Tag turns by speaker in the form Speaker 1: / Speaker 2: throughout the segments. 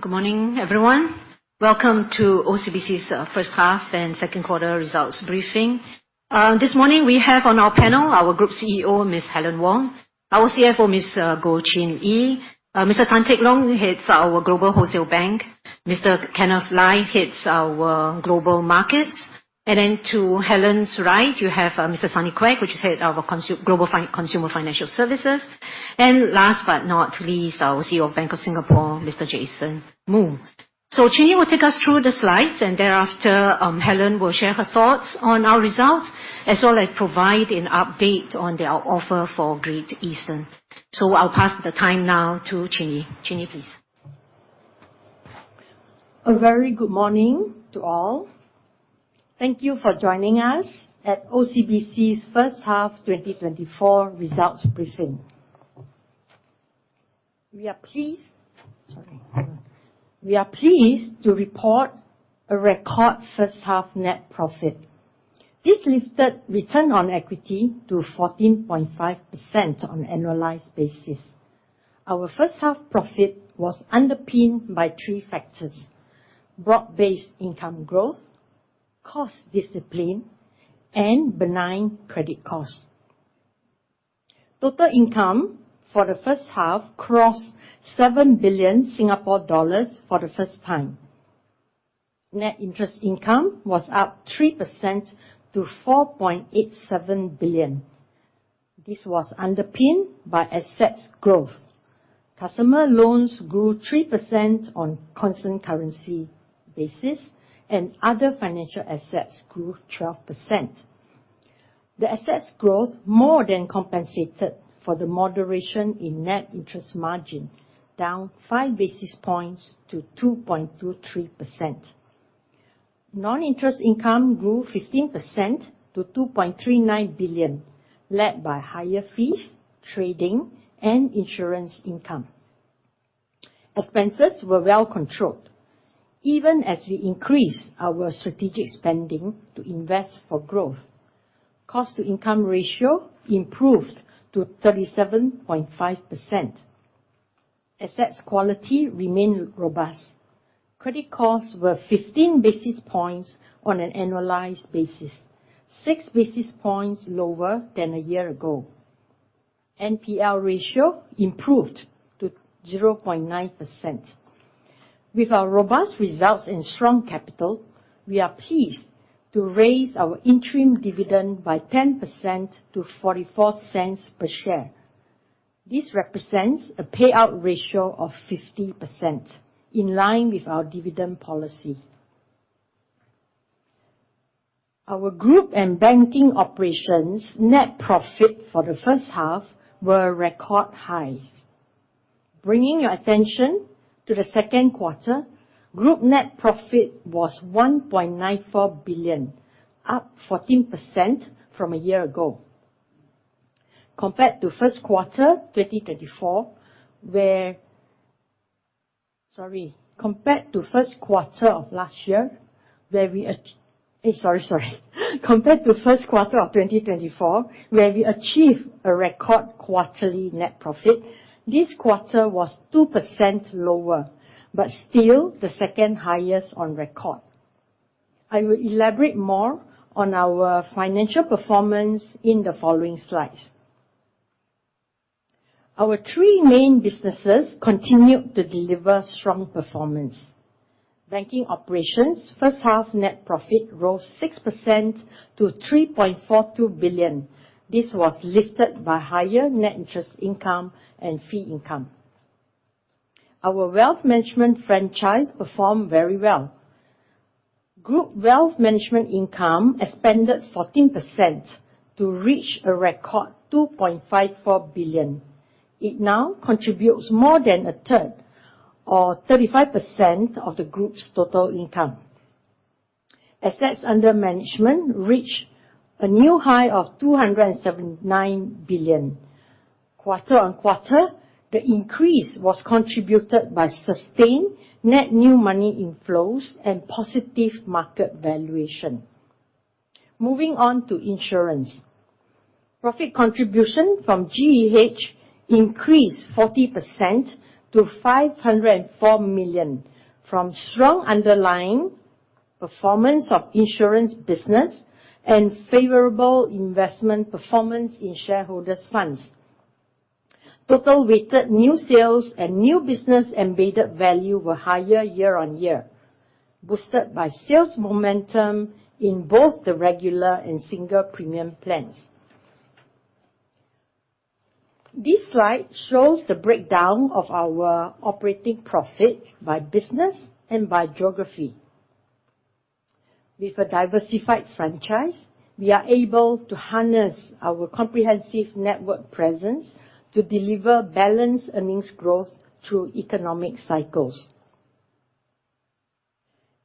Speaker 1: Good morning, everyone. Welcome to OCBC's first half and second quarter results briefing. This morning we have on our panel our Group CEO, Ms. Helen Wong; our CFO, Ms. Goh Chin Yee; Mr. Tan Teck Long heads our Global Wholesale Banking; Mr. Kenneth Lai heads our Global Markets, and then to Helen's right, you have Mr. Sunny Quek, which is head of our Global Consumer Financial Services, and last but not least, our CEO of Bank of Singapore, Mr. Jason Moo. So Chin Yee will take us through the slides, and thereafter, Helen will share her thoughts on our results, as well as provide an update on their offer for Great Eastern. So I'll pass the time now to Chin Yee. Chin Yee, please.
Speaker 2: A very good morning to all. Thank you for joining us at OCBC's first half 2024 results briefing. We are pleased to report a record first half net profit. This lifted return on equity to 14.5% on annualized basis. Our first half profit was underpinned by three factors: broad-based income growth, cost discipline, and benign credit costs. Total income for the first half crossed 7 billion Singapore dollars for the first time. Net interest income was up 3% to 4.87 billion. This was underpinned by assets growth. Customer loans grew 3% on constant currency basis, and other financial assets grew 12%. The assets growth more than compensated for the moderation in net interest margin, down 5 basis points to 2.23%. Non-interest income grew 15% to 2.39 billion, led by higher fees, trading, and insurance income. Expenses were well controlled, even as we increased our strategic spending to invest for growth. Cost-to-income ratio improved to 37.5%. Assets quality remained robust. Credit costs were 15 basis points on an annualized basis, 6 basis points lower than a year ago. NPL ratio improved to 0.9%. With our robust results and strong capital, we are pleased to raise our interim dividend by 10% to 0.44 per share. This represents a payout ratio of 50%, in line with our dividend policy. Our group and banking operations net profit for the first half were record highs. Bringing your attention to the second quarter, group net profit was 1.94 billion, up 14% from a year ago. Compared to first quarter of 2024, where we achieved a record quarterly net profit, this quarter was 2% lower, but still the second highest on record. I will elaborate more on our financial performance in the following slides. Our three main businesses continued to deliver strong performance. Banking operations first half net profit rose 6% to SGD 3.42 billion. This was lifted by higher net interest income and fee income. Our wealth management franchise performed very well. Group wealth management income expanded 14% to reach a record 2.54 billion. It now contributes more than a third, or 35%, of the group's total income. Assets under management reached a new high of 279 billion. Quarter-on-quarter, the increase was contributed by sustained net new money inflows and positive market valuation. Moving on to insurance. Profit contribution from GEH increased 40% to 504 million from strong underlying performance of insurance business and favorable investment performance in shareholders' funds. Total weighted new sales and new business embedded value were higher year-on-year, boosted by sales momentum in both the regular and single premium plans. This slide shows the breakdown of our operating profit by business and by geography. With a diversified franchise, we are able to harness our comprehensive network presence to deliver balanced earnings growth through economic cycles.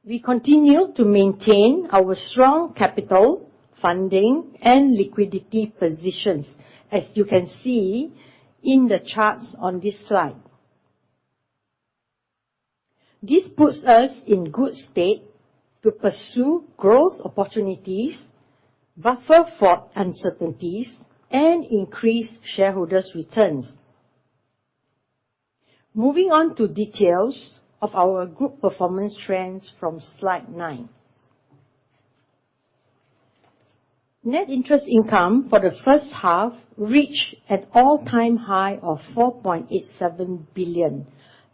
Speaker 2: We continue to maintain our strong capital, funding, and liquidity positions, as you can see in the charts on this slide. This puts us in good state to pursue growth opportunities, buffer for uncertainties and increase shareholders' returns. Moving on to details of our group performance trends from slide nine. Net interest income for the first half reached an all-time high of 4.87 billion,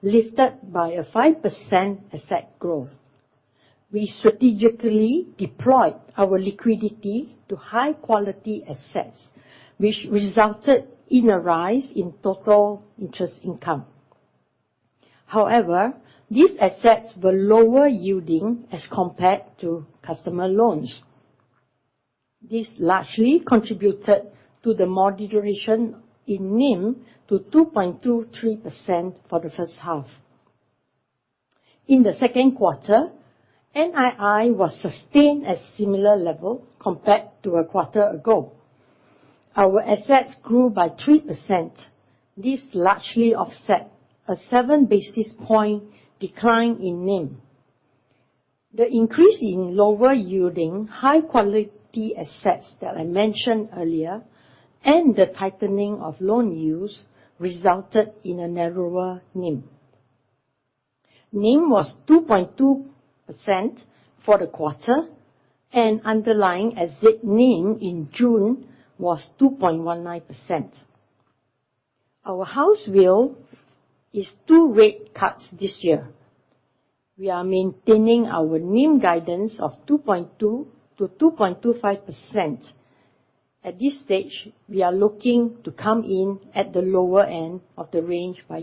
Speaker 2: lifted by a 5% asset growth. We strategically deployed our liquidity to high-quality assets, which resulted in a rise in total interest income. However, these assets were lower yielding as compared to customer loans. This largely contributed to the moderation in NIM to 2.23% for the first half. In the second quarter, NII was sustained at similar level compared to a quarter ago. Our assets grew by 3%. This largely offset a seven basis point decline in NIM. The increase in lower yielding, high-quality assets that I mentioned earlier, and the tightening of loan use, resulted in a narrower NIM. NIM was 2.2% for the quarter, and underlying asset NIM in June was 2.19%. Our house view is 2 rate cuts this year. We are maintaining our NIM guidance of 2.2%-2.25%. At this stage, we are looking to come in at the lower end of the range by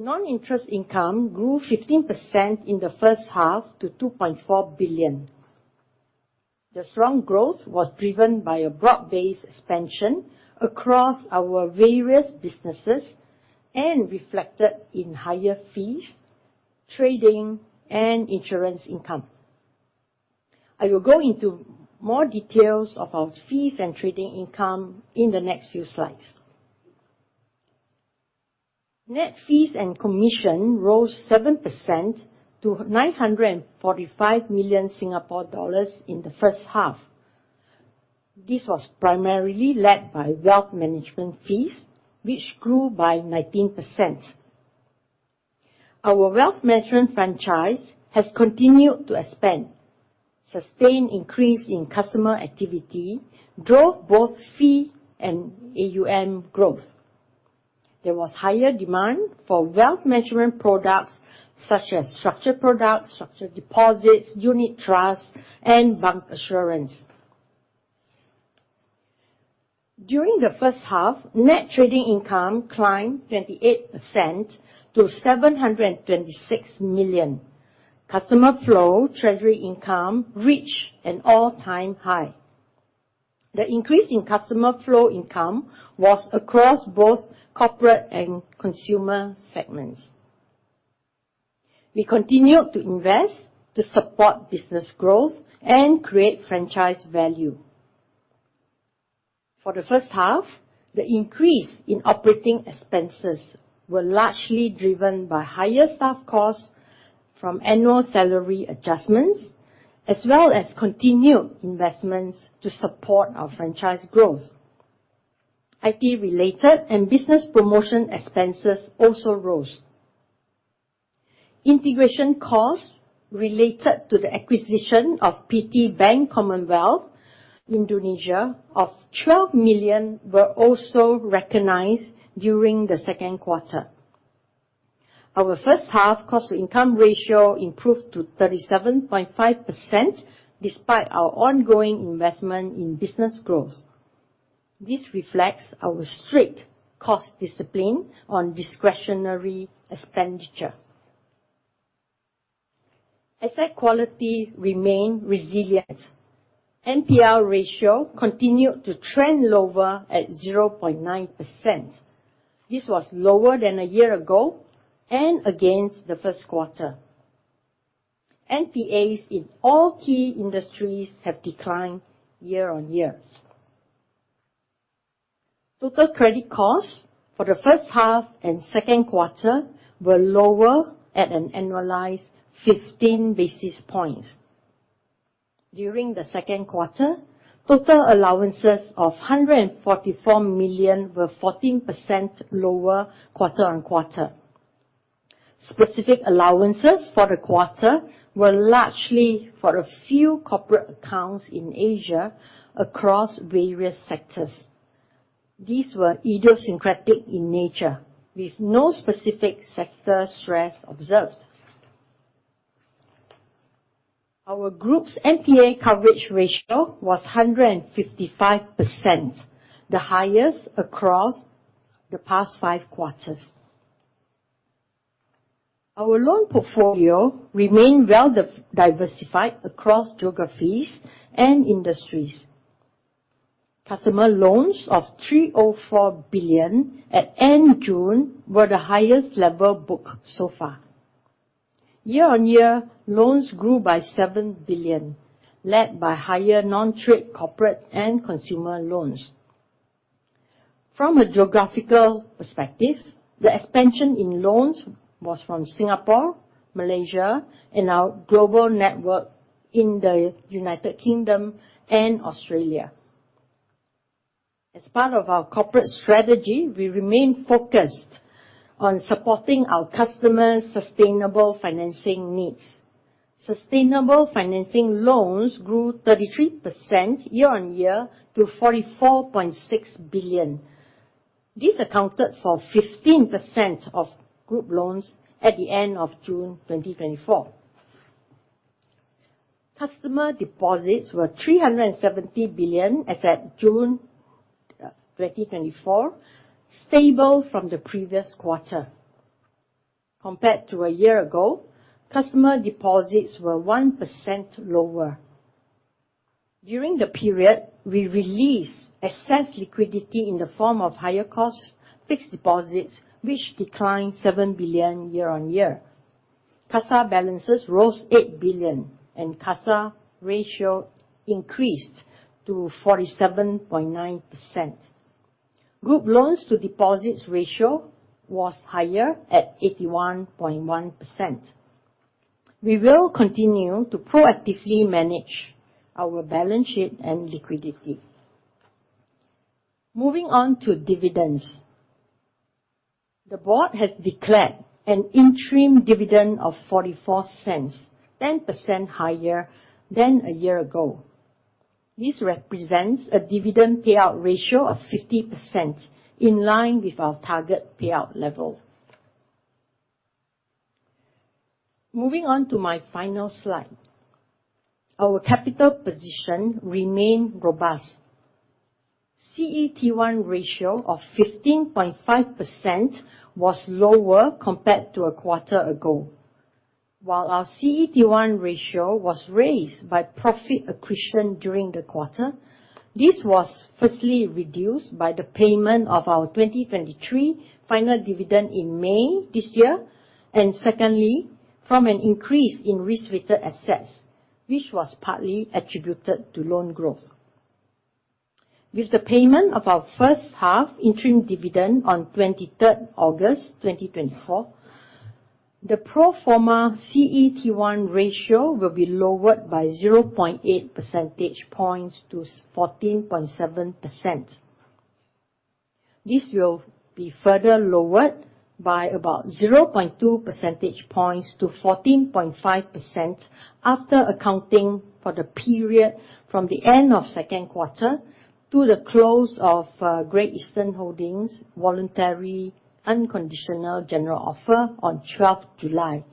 Speaker 2: year-end. Non-interest income grew 15% in the first half to 2.4 billion. The strong growth was driven by a broad-based expansion across our various businesses and reflected in higher fees, trading, and insurance income. I will go into more details of our fees and trading income in the next few slides. Net fees and commission rose 7% to 945 million Singapore dollars in the first half. This was primarily led by wealth management fees, which grew by 19%. Our wealth management franchise has continued to expand. Sustained increase in customer activity drove both fee and AUM growth. There was higher demand for wealth management products, such as structured products, structured deposits, unit trust, and bancassurance. During the first half, net trading income climbed 28% to 726 million. Customer flow treasury income reached an all-time high. The increase in customer flow income was across both corporate and consumer segments. We continued to invest to support business growth and create franchise value. For the first half, the increase in operating expenses were largely driven by higher staff costs from annual salary adjustments, as well as continued investments to support our franchise growth. IT-related and business promotion expenses also rose. Integration costs related to the acquisition of PT Bank Commonwealth, Indonesia, of 12 million were also recognized during the second quarter. Our first half cost-to-income ratio improved to 37.5%, despite our ongoing investment in business growth. This reflects our strict cost discipline on discretionary expenditure. Asset quality remained resilient. NPL ratio continued to trend lower at 0.9%. This was lower than a year ago and against the first quarter. NPAs in all key industries have declined year-on-year. Total credit costs for the first half and second quarter were lower at an annualized 15 basis points. During the second quarter, total allowances of 144 million were 14% lower quarter-on-quarter. Specific allowances for the quarter were largely for a few corporate accounts in Asia across various sectors. These were idiosyncratic in nature, with no specific sector stress observed. Our group's NPA coverage ratio was 155%, the highest across the past five quarters. Our loan portfolio remained well diversified across geographies and industries. Customer loans of 304 billion at end June were the highest level booked so far. Year-on-year, loans grew by 7 billion, led by higher non-trade corporate and consumer loans. From a geographical perspective, the expansion in loans was from Singapore, Malaysia, and our global network in the United Kingdom and Australia. As part of our corporate strategy, we remain focused on supporting our customers' sustainable financing needs. Sustainable financing loans grew 33% year-on-year, to 44.6 billion. This accounted for 15% of group loans at the end of June 2024. Customer deposits were 370 billion as at June 2024, stable from the previous quarter. Compared to a year ago, customer deposits were 1% lower. During the period, we released excess liquidity in the form of higher costs, fixed deposits, which declined 7 billion year-on-year. CASA balances rose 8 billion, and CASA ratio increased to 47.9%. Group loans to deposits ratio was higher at 81.1%. We will continue to proactively manage our balance sheet and liquidity. Moving on to dividends. The board has declared an interim dividend of 0.44, 10% higher than a year ago. This represents a dividend payout ratio of 50%, in line with our target payout level. Moving on to my final slide. Our capital position remain robust. CET1 ratio of 15.5% was lower compared to a quarter ago. While our CET1 ratio was raised by profit accretion during the quarter, this was firstly reduced by the payment of our 2023 final dividend in May this year, and secondly, from an increase in risk-weighted assets, which was partly attributed to loan growth. With the payment of our first half interim dividend on 23 August 2024, the pro forma CET1 ratio will be lowered by 0.8 percentage points to 14.7%. This will be further lowered by about 0.2 percentage points to 14.5%, after accounting for the period from the end of second quarter to the close of Great Eastern Holdings' voluntary, unconditional general offer on 12 July.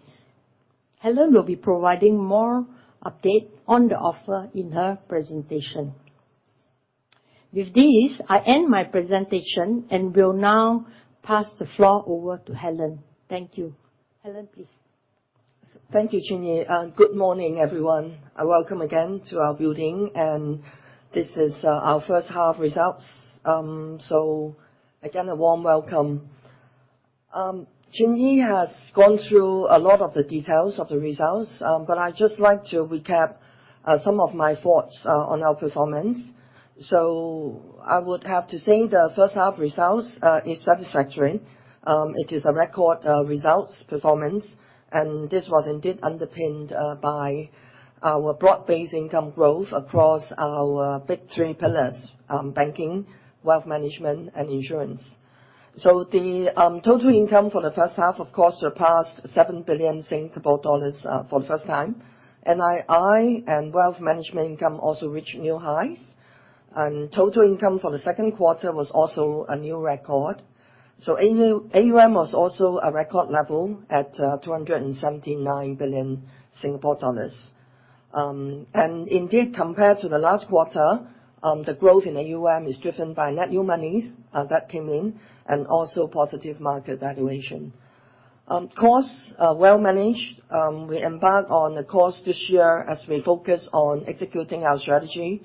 Speaker 2: Helen will be providing more update on the offer in her presentation. With this, I end my presentation and will now pass the floor over to Helen. Thank you. Helen, please.
Speaker 3: Thank you, Chin Yee. Good morning, everyone, and welcome again to our building, and this is our first half results. Again, a warm welcome. Chin Yee has gone through a lot of the details of the results, but I'd just like to recap some of my thoughts on our performance. So I would have to say the first half results is satisfactory. It is a record results performance, and this was indeed underpinned by our broad-based income growth across our big three pillars: banking, wealth management, and insurance. So the total income for the first half, of course, surpassed 7 billion Singapore dollars for the first time. NII and wealth management income also reached new highs, and total income for the second quarter was also a new record. So, our AUM was also a record level at 279 billion Singapore dollars. And indeed, compared to the last quarter, the growth in AUM is driven by net new monies that came in, and also positive market valuation. Costs are well managed. We embark on the course this year as we focus on executing our strategy.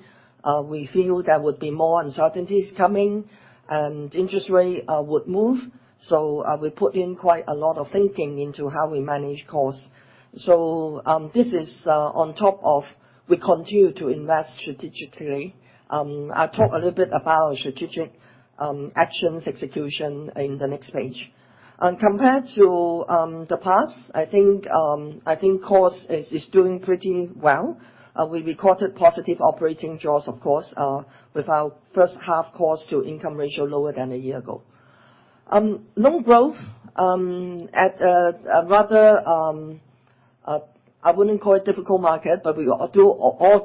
Speaker 3: We feel there would be more uncertainties coming, and interest rate would move. So, we put in quite a lot of thinking into how we manage costs. So, this is, on top of we continue to invest strategically. I'll talk a little bit about our strategic actions execution in the next page. And compared to the past, I think, I think cost is, is doing pretty well. We recorded positive operating jaws, of course, with our first half costs to income ratio lower than a year ago. Loan growth at a rather I wouldn't call it difficult market, but we all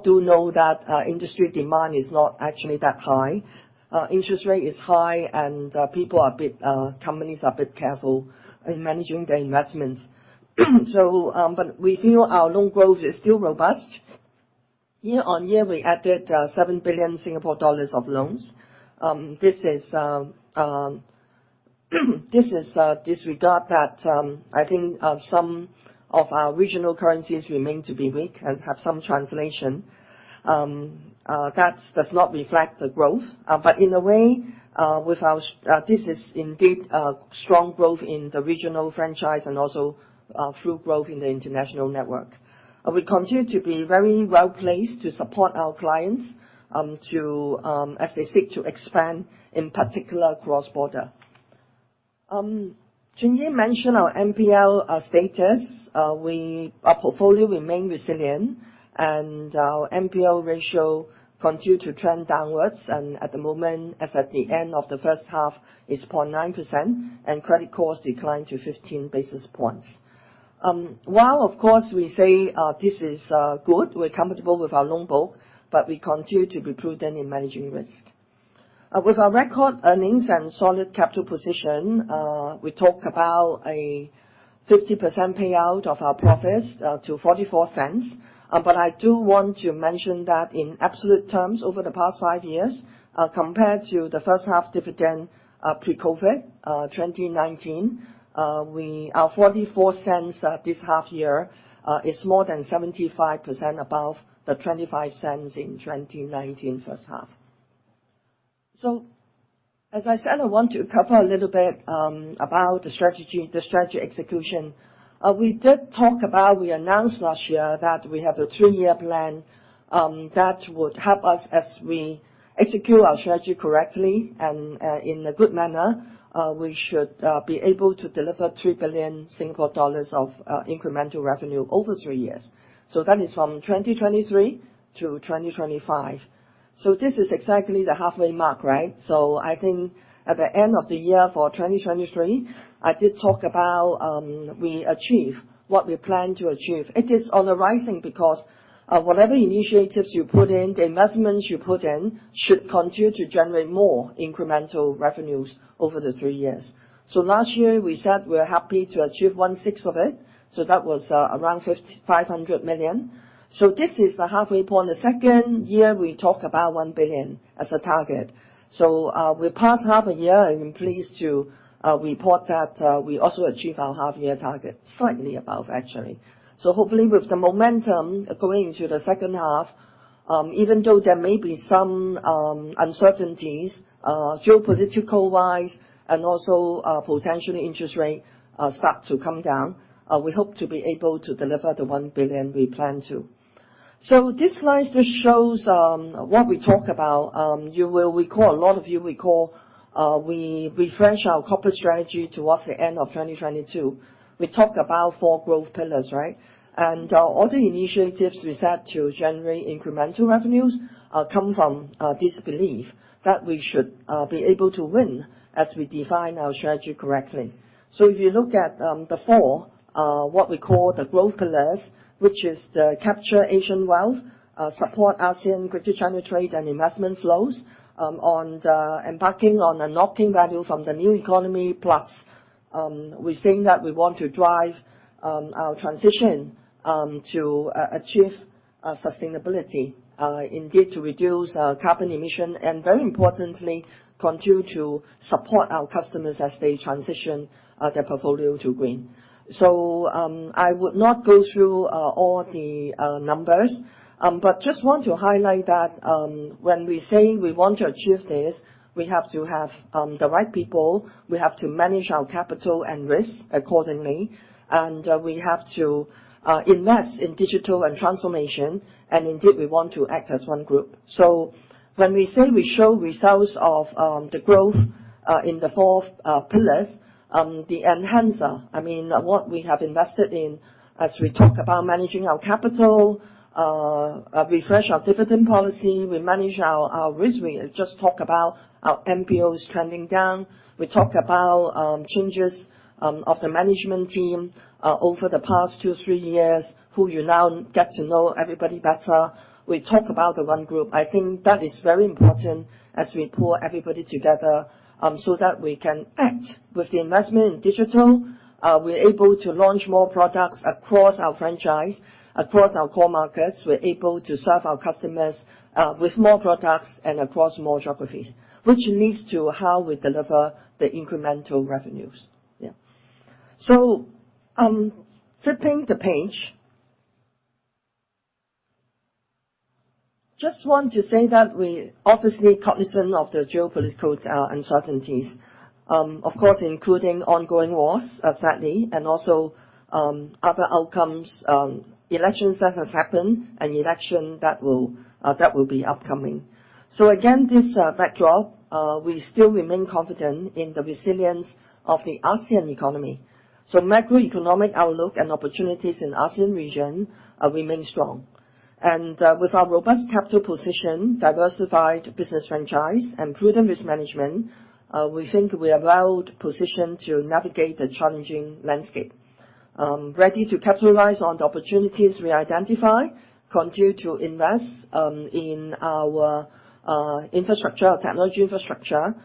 Speaker 3: know that industry demand is not actually that high. Interest rate is high, and people are a bit... companies are a bit careful in managing their investments. So, but we feel our loan growth is still robust. Year-on-year, we added 7 billion Singapore dollars of loans. This is disregard that, I think some of our regional currencies remain to be weak and have some translation. That does not reflect the growth, but in a way, with our, this is indeed a strong growth in the regional franchise and also, through growth in the international network. We continue to be very well-placed to support our clients, to, as they seek to expand, in particular, cross-border. Chin Yee mentioned our NPL status. Our portfolio remain resilient, and our NPL ratio continue to trend downwards, and at the moment, as at the end of the first half, is 0.9%, and credit costs declined to 15 basis points. While of course, we say, this is good, we're comfortable with our loan book, but we continue to be prudent in managing risk. With our record earnings and solid capital position, we talk about a 50% payout of our profits to 0.44. But I do want to mention that in absolute terms, over the past five years, compared to the first half dividend, pre-COVID, 2019, our 0.44 this half year is more than 75% above the 0.25 in 2019 first half. So as I said, I want to cover a little bit about the strategy, the strategy execution. We did talk about. We announced last year that we have a three-year plan that would help us as we execute our strategy correctly and in a good manner, we should be able to deliver 3 billion Singapore dollars of incremental revenue over three years. So that is from 2023 to 2025. So this is exactly the halfway mark, right? So I think at the end of the year for 2023, I did talk about, we achieve what we plan to achieve. It is on the rising because, whatever initiatives you put in, the investments you put in, should continue to generate more incremental revenues over the three years. So last year, we said we're happy to achieve one-sixth of it, so that was, around 500 million. So this is the halfway point. The second year, we talked about 1 billion as a target. So, we're past half a year, and I'm pleased to, report that, we also achieved our half-year target, slightly above actually. So hopefully, with the momentum going into the second half, even though there may be some uncertainties, geopolitical-wise, and also potentially interest rate start to come down, we hope to be able to deliver the 1 billion we plan to. So this slide just shows what we talk about. You will recall, a lot of you recall, we refresh our corporate strategy towards the end of 2022. We talked about four growth pillars, right? And all the initiatives we set to generate incremental revenues come from this belief that we should be able to win as we define our strategy correctly. So if you look at the four what we call the growth pillars, which is the capture Asian wealth, support ASEAN, Greater China trade and investment flows, on the embarking on unlocking value from the new economy. Plus, we're saying that we want to drive our transition to achieve sustainability, indeed, to reduce carbon emission, and very importantly, continue to support our customers as they transition their portfolio to green. So, I would not go through all the numbers, but just want to highlight that, when we say we want to achieve this, we have to have the right people. We have to manage our capital and risk accordingly, and we have to invest in digital and transformation, and indeed, we want to act as one group. So when we say we show results of the growth in the 4 pillars, the enhancer, I mean, what we have invested in as we talk about managing our capital, refresh our dividend policy, we manage our risk. We just talked about how NPL is trending down. We talked about changes of the management team over the past 2-3 years, who you now get to know everybody better. We talk about the one group. I think that is very important as we pull everybody together so that we can act. With the investment in digital, we're able to launch more products across our franchise, across our core markets. We're able to serve our customers with more products and across more geographies, which leads to how we deliver the incremental revenues. Yeah. So, flipping the page. Just want to say that we're obviously cognizant of the geopolitical uncertainties, of course, including ongoing wars, sadly, and also other outcomes, elections that has happened and election that will, that will be upcoming. So again, this backdrop, we still remain confident in the resilience of the ASEAN economy. So macroeconomic outlook and opportunities in ASEAN region remain strong. And, with our robust capital position, diversified business franchise, and prudent risk management, we think we are well positioned to navigate the challenging landscape. Ready to capitalize on the opportunities we identify, continue to invest in our infrastructure, our technology infrastructure,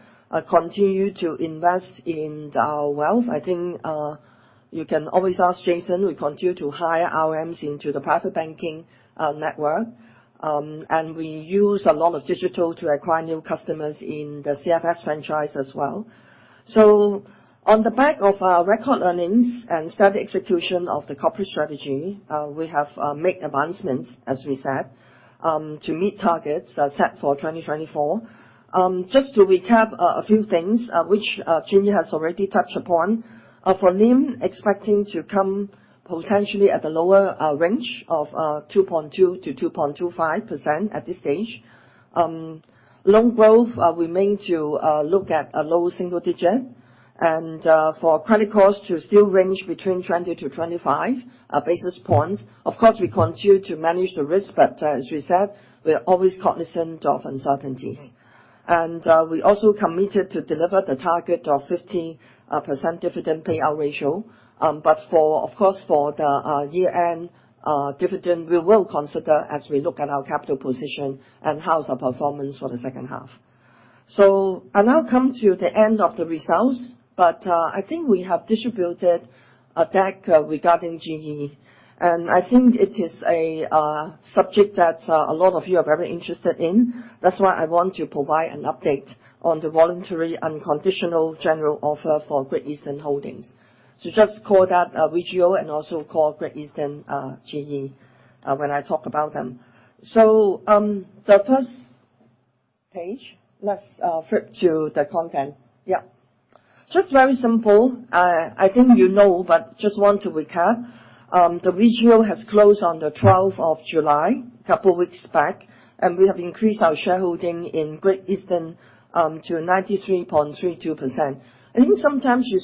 Speaker 3: continue to invest in our wealth. I think, you can always ask Jason, we continue to hire RMs into the private banking network. And we use a lot of digital to acquire new customers in the CFS franchise as well. So on the back of our record earnings and steady execution of the corporate strategy, we have made advancements, as we said, to meet targets set for 2024. Just to recap a few things, which Chin Yee has already touched upon. For NIM, expecting to come potentially at the lower range of 2.2%-2.25% at this stage. Loan growth, we mean to look at a low single digit and for credit costs to still range between 20-25 basis points. Of course, we continue to manage the risk, but as we said, we are always cognizant of uncertainties. We also committed to deliver the target of 15% dividend payout ratio. But for, of course, for the year-end dividend, we will consider as we look at our capital position and how's our performance for the second half. So I now come to the end of the results, but I think we have distributed a deck regarding GE. And I think it is a subject that a lot of you are very interested in. That's why I want to provide an update on the voluntary, unconditional general offer for Great Eastern Holdings. So just call that VGO, and also call Great Eastern, GE, when I talk about them. So, the first page, let's flip to the content. Yeah. Just very simple. I think you know, but just want to recap. The VGO has closed on the twelfth of July, couple weeks back, and we have increased our shareholding in Great Eastern to 93.32%. I think sometimes you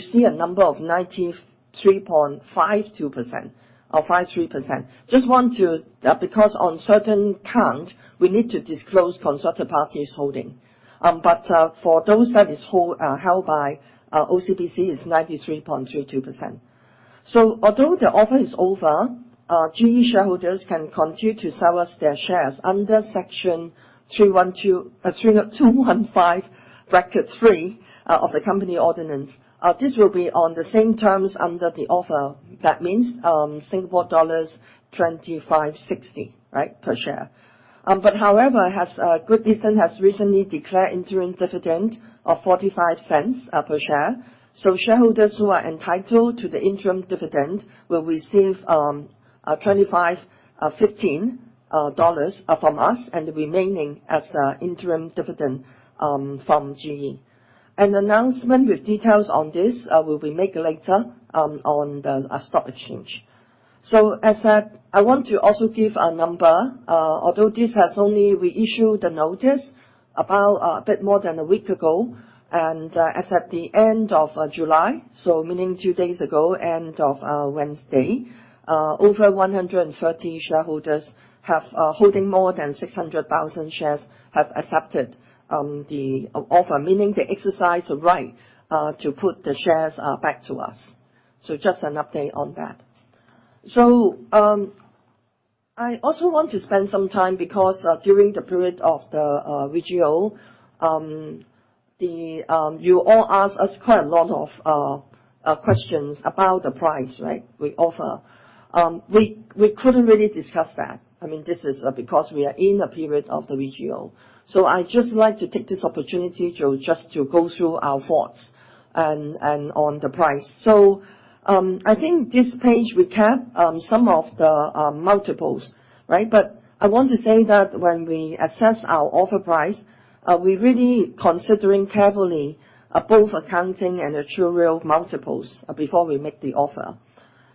Speaker 3: see a number of 93.52% or 53%. Just want to, because on certain count, we need to disclose consortium parties holding. But for those that is held by OCBC is 93.32%. So although the offer is over, GE shareholders can continue to sell us their shares under Section 312, 215(3) of the company ordinance. This will be on the same terms under the offer. That means, Singapore dollars 25.60, right, per share. However, Great Eastern has recently declared interim dividend of 0.45 per share. So shareholders who are entitled to the interim dividend will receive 25.15 dollars from us, and the remaining as the interim dividend from GE. An announcement with details on this will be made later on the stock exchange. So as I want to also give a number, although this has only... We issued the notice about a bit more than a week ago, and as at the end of July, so meaning two days ago, end of Wednesday. Over 130 shareholders have holding more than 600,000 shares, have accepted the offer, meaning they exercise the right to put the shares back to us. So just an update on that. So, I also want to spend some time because, during the period of the VGO, you all asked us quite a lot of questions about the price, right, we offer. We couldn't really discuss that. I mean, this is because we are in a period of the VGO. So I'd just like to take this opportunity to just to go through our thoughts and on the price. So, I think this page recap some of the multiples, right? But I want to say that when we assess our offer price, we're really considering carefully both accounting and actuarial multiples before we make the offer.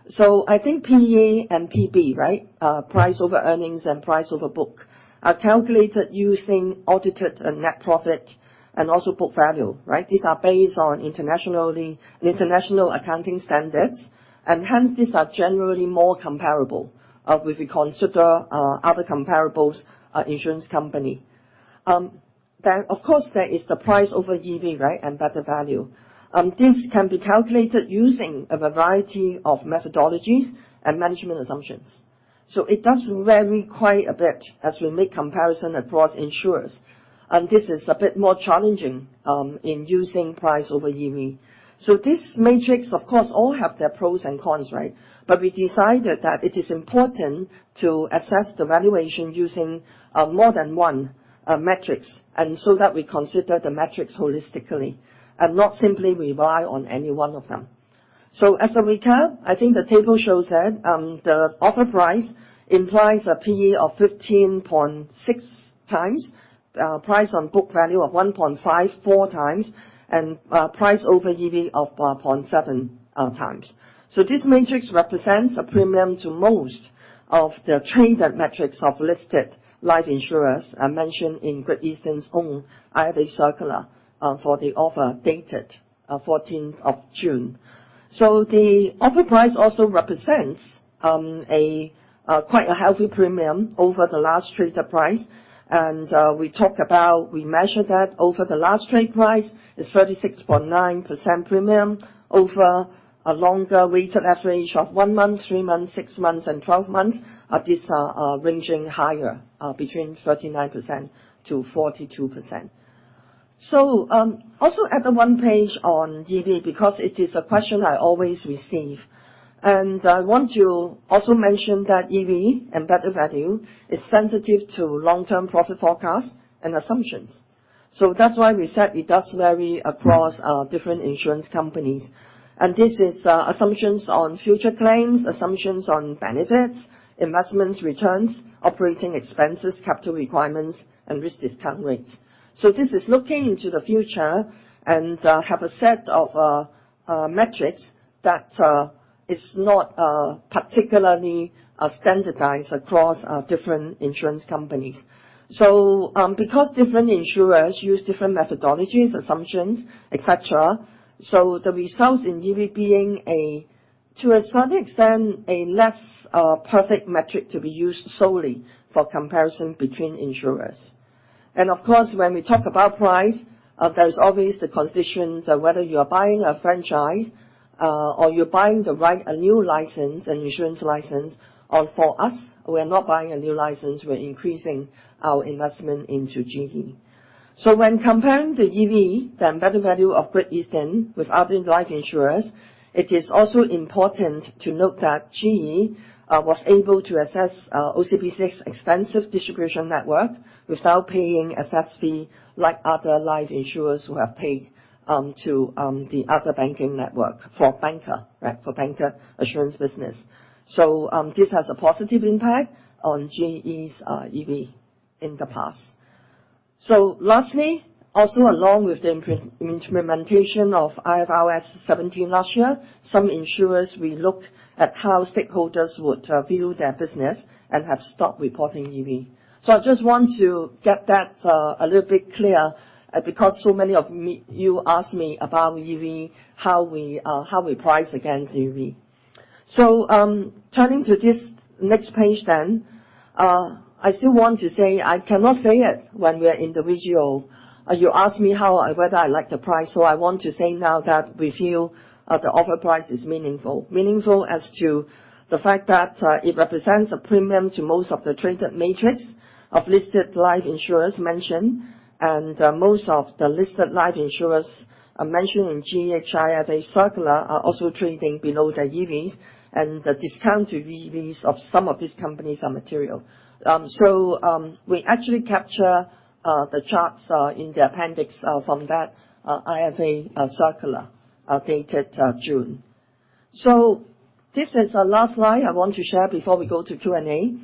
Speaker 3: So I think PE and PB, right, price over earnings and price over book, are calculated using audited and net profit and also book value, right? These are based on international accounting standards, and hence, these are generally more comparable, if we consider other comparables, insurance company. Then, of course, there is the price over EV, right, and embedded value. This can be calculated using a variety of methodologies and management assumptions. So it does vary quite a bit as we make comparison across insurers, and this is a bit more challenging in using price over EV. So this metrics, of course, all have their pros and cons, right? But we decided that it is important to assess the valuation using more than one metrics, and so that we consider the metrics holistically and not simply rely on any one of them. So as a recap, I think the table shows that the offer price implies a PE of 15.6x, price on book value of 1.54x, and price over EV of 4.7x. So this metrics represents a premium to most of the traded metrics of listed life insurers mentioned in Great Eastern's own IFA circular for the offer dated fourteenth of June. So the offer price also represents a quite a healthy premium over the last traded price. We talk about, we measure that over the last trade price is 36.9% premium over a longer weighted average of 1 month, 3 months, 6 months, and 12 months. These are ranging higher between 39%-42%. Also add the one page on EV, because it is a question I always receive. I want to also mention that EV and embedded value is sensitive to long-term profit forecasts and assumptions. That's why we said it does vary across different insurance companies. This is assumptions on future claims, assumptions on benefits, investments, returns, operating expenses, capital requirements, and risk discount rates. This is looking into the future and have a set of metrics that is not particularly standardized across different insurance companies. So, because different insurers use different methodologies, assumptions, et cetera, so the results in EV being a, to a certain extent, a less perfect metric to be used solely for comparison between insurers. And of course, when we talk about price, there's always the conditions of whether you are buying a franchise or you're buying the right to a new license, an insurance license. And for us, we are not buying a new license, we're increasing our investment into GE. So when comparing the EV, the embedded value of Great Eastern with other life insurers, it is also important to note that GE was able to access OCBC's extensive distribution network without paying a fee, like other life insurers who have paid to the other banking network for bancassurance business. So, this has a positive impact on GE's EV in the past. So lastly, also, along with the implementation of IFRS 17 last year, some insurers we looked at how stakeholders would view their business and have stopped reporting EV. So I just want to get that a little bit clear, because so many of you asked me about EV, how we price against EV. So, turning to this next page then, I still want to say, I cannot say it when we are individual. You asked me how, whether I like the price, so I want to say now that we feel the offer price is meaningful. Meaningful as to the fact that it represents a premium to most of the traded metrics of listed life insurers mentioned. Most of the listed life insurers mentioned in the GEH IFA circular are also trading below their EVs, and the discount to EVs of some of these companies are material. We actually capture the charts in the appendix from that IFA circular dated June. This is the last slide I want to share before we go to Q&A.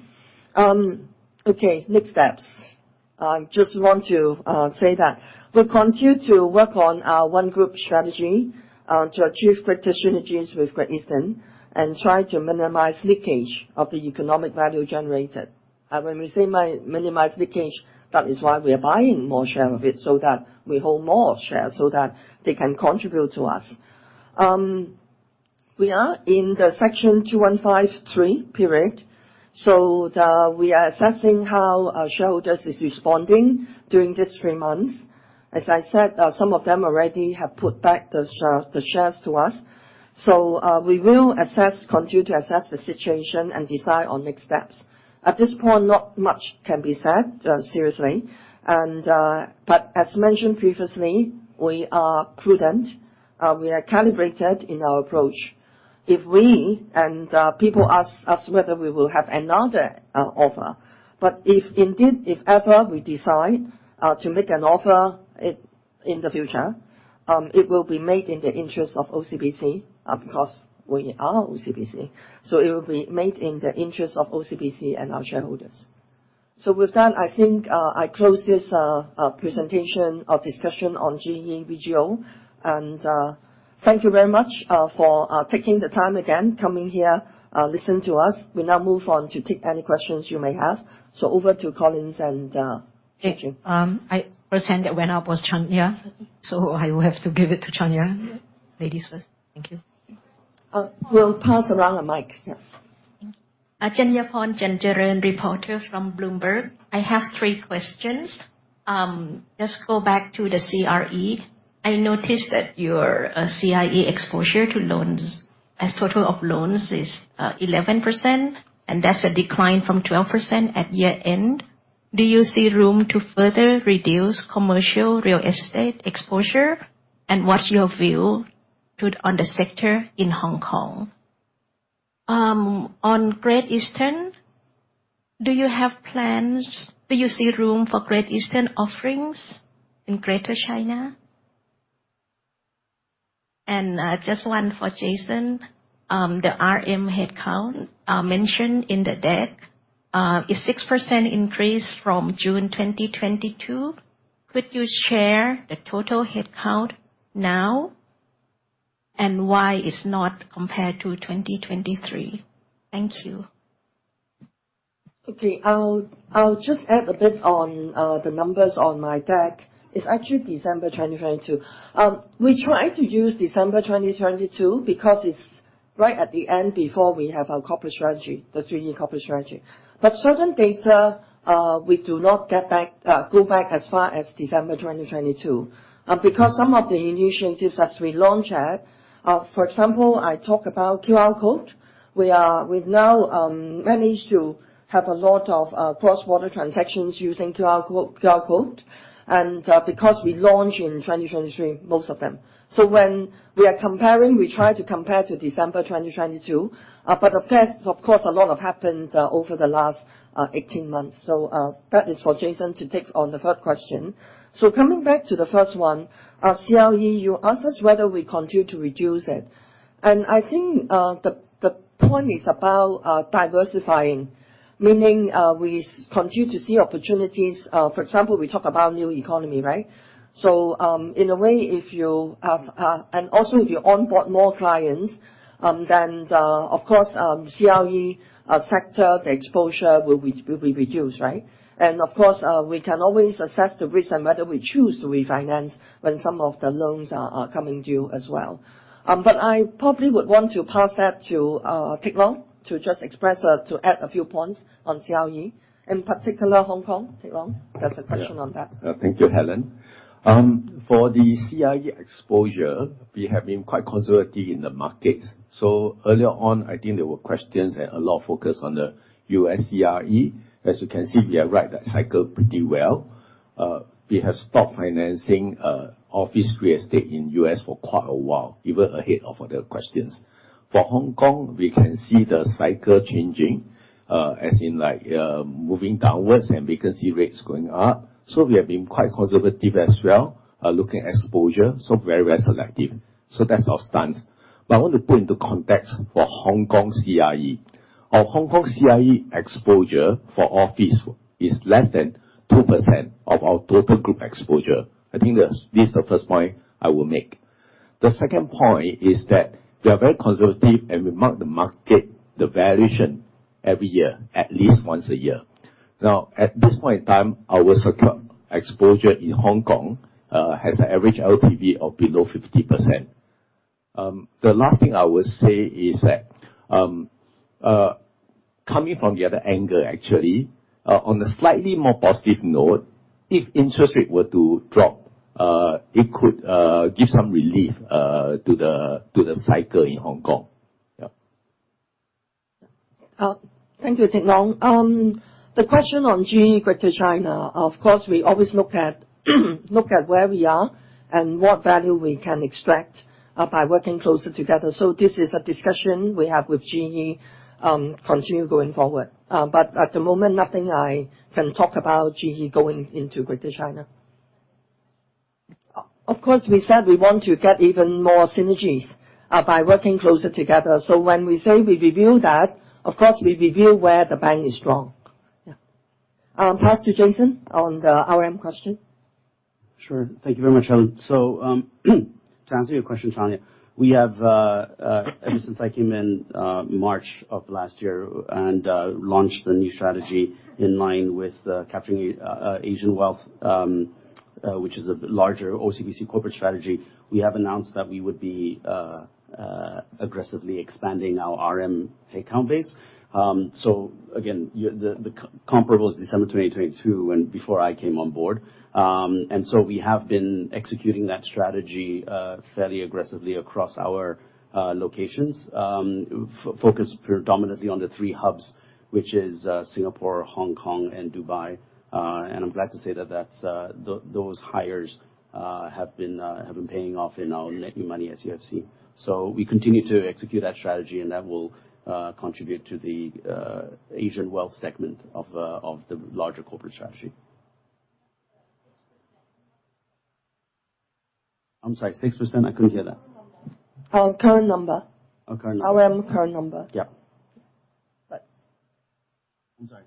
Speaker 3: Okay, next steps. I just want to say that we'll continue to work on our One Group strategy to achieve greater synergies with Great Eastern and try to minimize leakage of the economic value generated. When we say minimize leakage, that is why we are buying more share of it, so that we hold more shares so that they can contribute to us. We are in the Section 215(3) period, so we are assessing how our shareholders is responding during this three months. As I said, some of them already have put back the share, the shares to us, so we will continue to assess the situation and decide on next steps. At this point, not much can be said, seriously. But as mentioned previously, we are prudent, we are calibrated in our approach. People ask us whether we will have another offer, but if indeed, if ever we decide to make an offer, it in the future, it will be made in the interest of OCBC, because we are OCBC. So it will be made in the interest of OCBC and our shareholders. So with that, I think I close this presentation or discussion on GE VGO. And thank you very much for taking the time again, coming here, listen to us. We now move on to take any questions you may have. So over to Collins and thank you.
Speaker 1: The person that went up was Chanya, so I will have to give it to Chanya. Ladies first. Thank you.
Speaker 3: We'll pass around the mic. Yes.
Speaker 4: Chanyaporn Chanjaroen, reporter from Bloomberg. I have three questions. Let's go back to the CRE. I noticed that your CRE exposure to loans as total of loans is 11%, and that's a decline from 12% at year-end. Do you see room to further reduce commercial real estate exposure? And what's your view on the sector in Hong Kong? On Great Eastern, do you have plans-- do you see room for Great Eastern offerings in Greater China? And just one for Jason. The RM headcount mentioned in the deck is 6% increase from June 2022. Could you share the total headcount now, and why it's not compared to 2023? Thank you.
Speaker 3: Okay. I'll just add a bit on the numbers on my deck. It's actually December 2022. We try to use December 2022, because it's right at the end before we have our corporate strategy, the three-year corporate strategy. But certain data, we do not get back, go back as far as December 2022, because some of the initiatives as we launch it. For example, I talked about QR code. We've now managed to have a lot of cross-border transactions using QR code, QR code, and because we launched in 2023, most of them. So when we are comparing, we try to compare to December 2022. But of course, a lot have happened over the last 18 months. So that is for Jason to take on the third question. So coming back to the first one, CRE, you asked us whether we continue to reduce it. And I think, the point is about, diversifying, meaning, we continue to see opportunities. For example, we talk about new economy, right? So, in a way, if you have-- and also if you onboard more clients, then, of course, CRE sector, the exposure will be reduced, right? And of course, we can always assess the risk and whether we choose to refinance when some of the loans are coming due as well. But I probably would want to pass that to, Teck Long, to just express, to add a few points on CRE, in particular, Hong Kong. Teck Long, there's a question on that.
Speaker 5: Yeah. Thank you, Helen. For the CRE exposure, we have been quite conservative in the markets. So earlier on, I think there were questions and a lot of focus on the U.S. CRE. As you can see, we have ride that cycle pretty well. We have stopped financing, office real estate in U.S. for quite a while, even ahead of other questions. For Hong Kong, we can see the cycle changing, as in, like, moving downwards and vacancy rates going up. So we have been quite conservative as well, looking at exposure, so very, very selective. So that's our stance. But I want to put into context for Hong Kong CRE. Our Hong Kong CRE exposure for office is less than 2% of our total group exposure. I think this, this is the first point I will make. The second point is that we are very conservative, and we mark the market, the valuation every year, at least once a year. Now, at this point in time, our secured exposure in Hong Kong has an average LTV of below 50%. The last thing I would say is that, coming from the other angle, actually, on a slightly more positive note, if interest rate were to drop, it could give some relief to the, to the cycle in Hong Kong. Yeah.
Speaker 3: Thank you, Teck Long. The question on GE Greater China, of course, we always look at where we are and what value we can extract by working closer together. So this is a discussion we have with GE, continue going forward. But at the moment, nothing I can talk about GE going into Greater China. Of course, we said we want to get even more synergies by working closer together. So when we say we review that, of course, we review where the bank is strong. Yeah. Pass to Jason on the RM question.
Speaker 6: Sure. Thank you very much, Helen. So, to answer your question, Chanya, we have, ever since I came in, March of last year and, launched the new strategy in line with, capturing, Asian wealth, which is a larger OCBC corporate strategy, we have announced that we would be, aggressively expanding our RM headcount base. So again, the comparables December 2022, when before I came on board. And so we have been executing that strategy, fairly aggressively across our, locations. Focus predominantly on the three hubs, which is, Singapore, Hong Kong, and Dubai. And I'm glad to say that, those hires, have been paying off in our lending money, as you have seen. So we continue to execute that strategy, and that will contribute to the Asian wealth segment of the larger corporate strategy.
Speaker 4: Six percent.
Speaker 6: I'm sorry, 6%? I couldn't hear that.
Speaker 4: Current number.
Speaker 3: Our current number.
Speaker 6: Our current number.
Speaker 3: RM current number.
Speaker 6: Yeah.
Speaker 3: But-
Speaker 6: I'm sorry.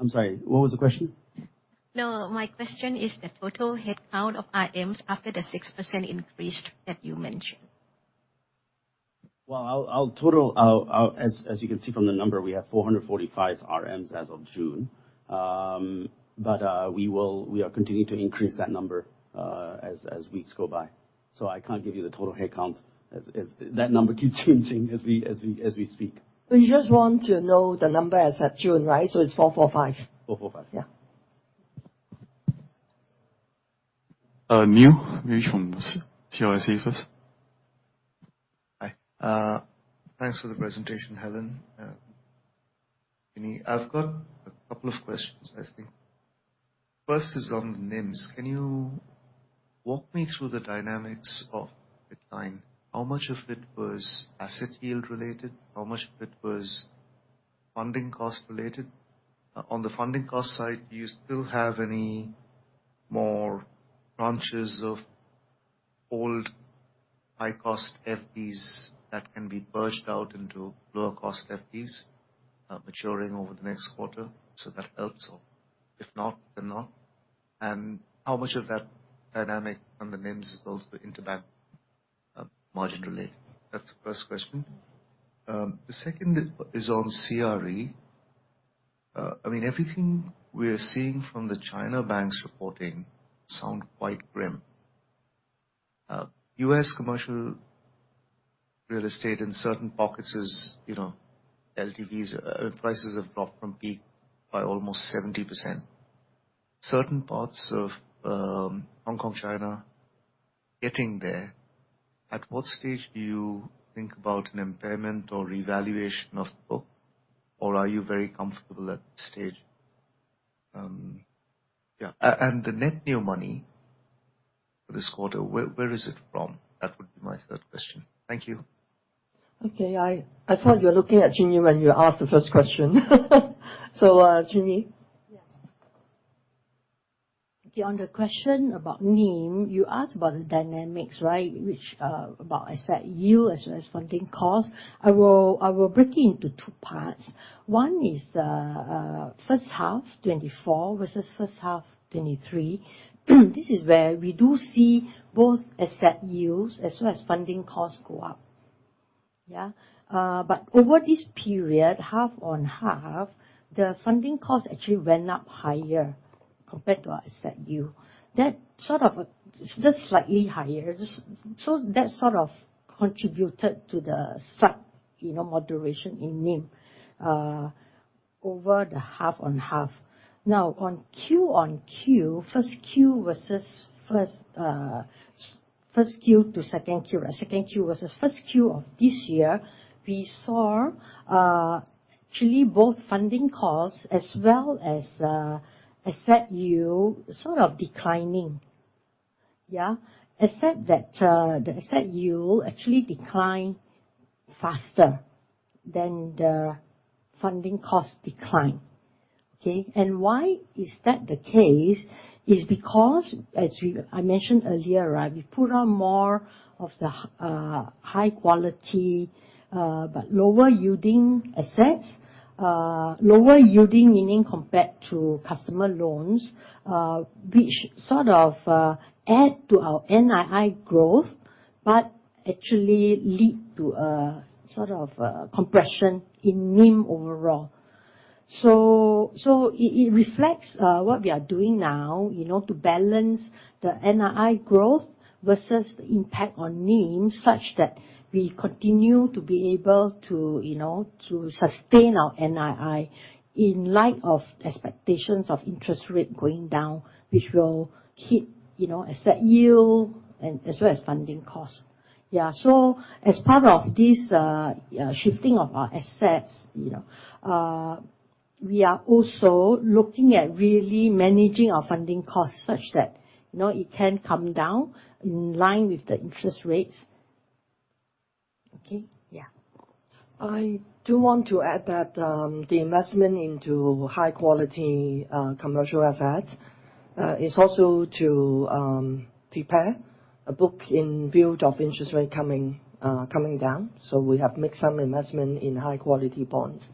Speaker 6: I'm sorry, what was the question?
Speaker 4: No, my question is the total headcount of RMs after the 6% increase that you mentioned.
Speaker 6: Well, as you can see from the number, we have 445 RMs as of June. But we are continuing to increase that number as weeks go by. So I can't give you the total headcount as... That number keeps changing as we speak.
Speaker 3: We just want to know the number as at June, right? So it's 445.
Speaker 6: 445.
Speaker 3: Yeah.
Speaker 7: Neel, from CLSA first. Hi, thanks for the presentation, Helen. I've got a couple of questions, I think. First is on the NIMS. Can you walk me through the dynamics of the decline? How much of it was asset yield related? How much of it was funding cost related? On the funding cost side, do you still have any more tranches of old high-cost FDs that can be purged out into lower cost FDs, maturing over the next quarter, so that helps? If not, then not. And how much of that dynamic on the NIMS is also interbank, margin related? That's the first question. The second is on CRE. I mean, everything we are seeing from the China banks reporting sound quite grim. U.S. commercial real estate in certain pockets is, you know, LTVs, prices have dropped from peak by almost 70%. Certain parts of Hong Kong, China, getting there. At what stage do you think about an impairment or revaluation of book, or are you very comfortable at this stage? Yeah, and the net new money this quarter, where is it from? That would be my third question. Thank you.
Speaker 3: Okay. I, I thought you were looking at Chin Yee when you asked the first question. So, Chin Yee?
Speaker 2: Okay, on the question about NIM, you asked about the dynamics, right? Which about asset yield as well as funding costs. I will break it into two parts. One is first half 2024 versus first half 2023. This is where we do see both asset yields as well as funding costs go up. Yeah? But over this period, half on half, the funding costs actually went up higher compared to our asset yield. That sort of just slightly higher just so that sort of contributed to the slight, you know, moderation in NIM over the half on half. Now, on Q-on-Q, first Q versus first first Q to second Q, right? Second Q versus first Q of this year, we saw actually both funding costs as well as asset yield sort of declining. Yeah. Except that, the asset yield actually declined faster than the funding cost declined. Okay? And why is that the case, is because, as I mentioned earlier, right, we put on more of the high quality but lower yielding assets. Lower yielding, meaning compared to customer loans, which sort of add to our NII growth, but actually lead to a sort of compression in NIM overall. So it reflects what we are doing now, you know, to balance the NII growth versus the impact on NIM, such that we continue to be able to, you know, to sustain our NII in light of expectations of interest rate going down, which will hit, you know, asset yield and as well as funding costs. Yeah, so as part of this, shifting of our assets, you know, we are also looking at really managing our funding costs such that, you know, it can come down in line with the interest rates. Okay? Yeah.
Speaker 3: I do want to add that, the investment into high quality commercial assets is also to prepare a book in view of interest rate coming down, so we have made some investment in high quality bonds.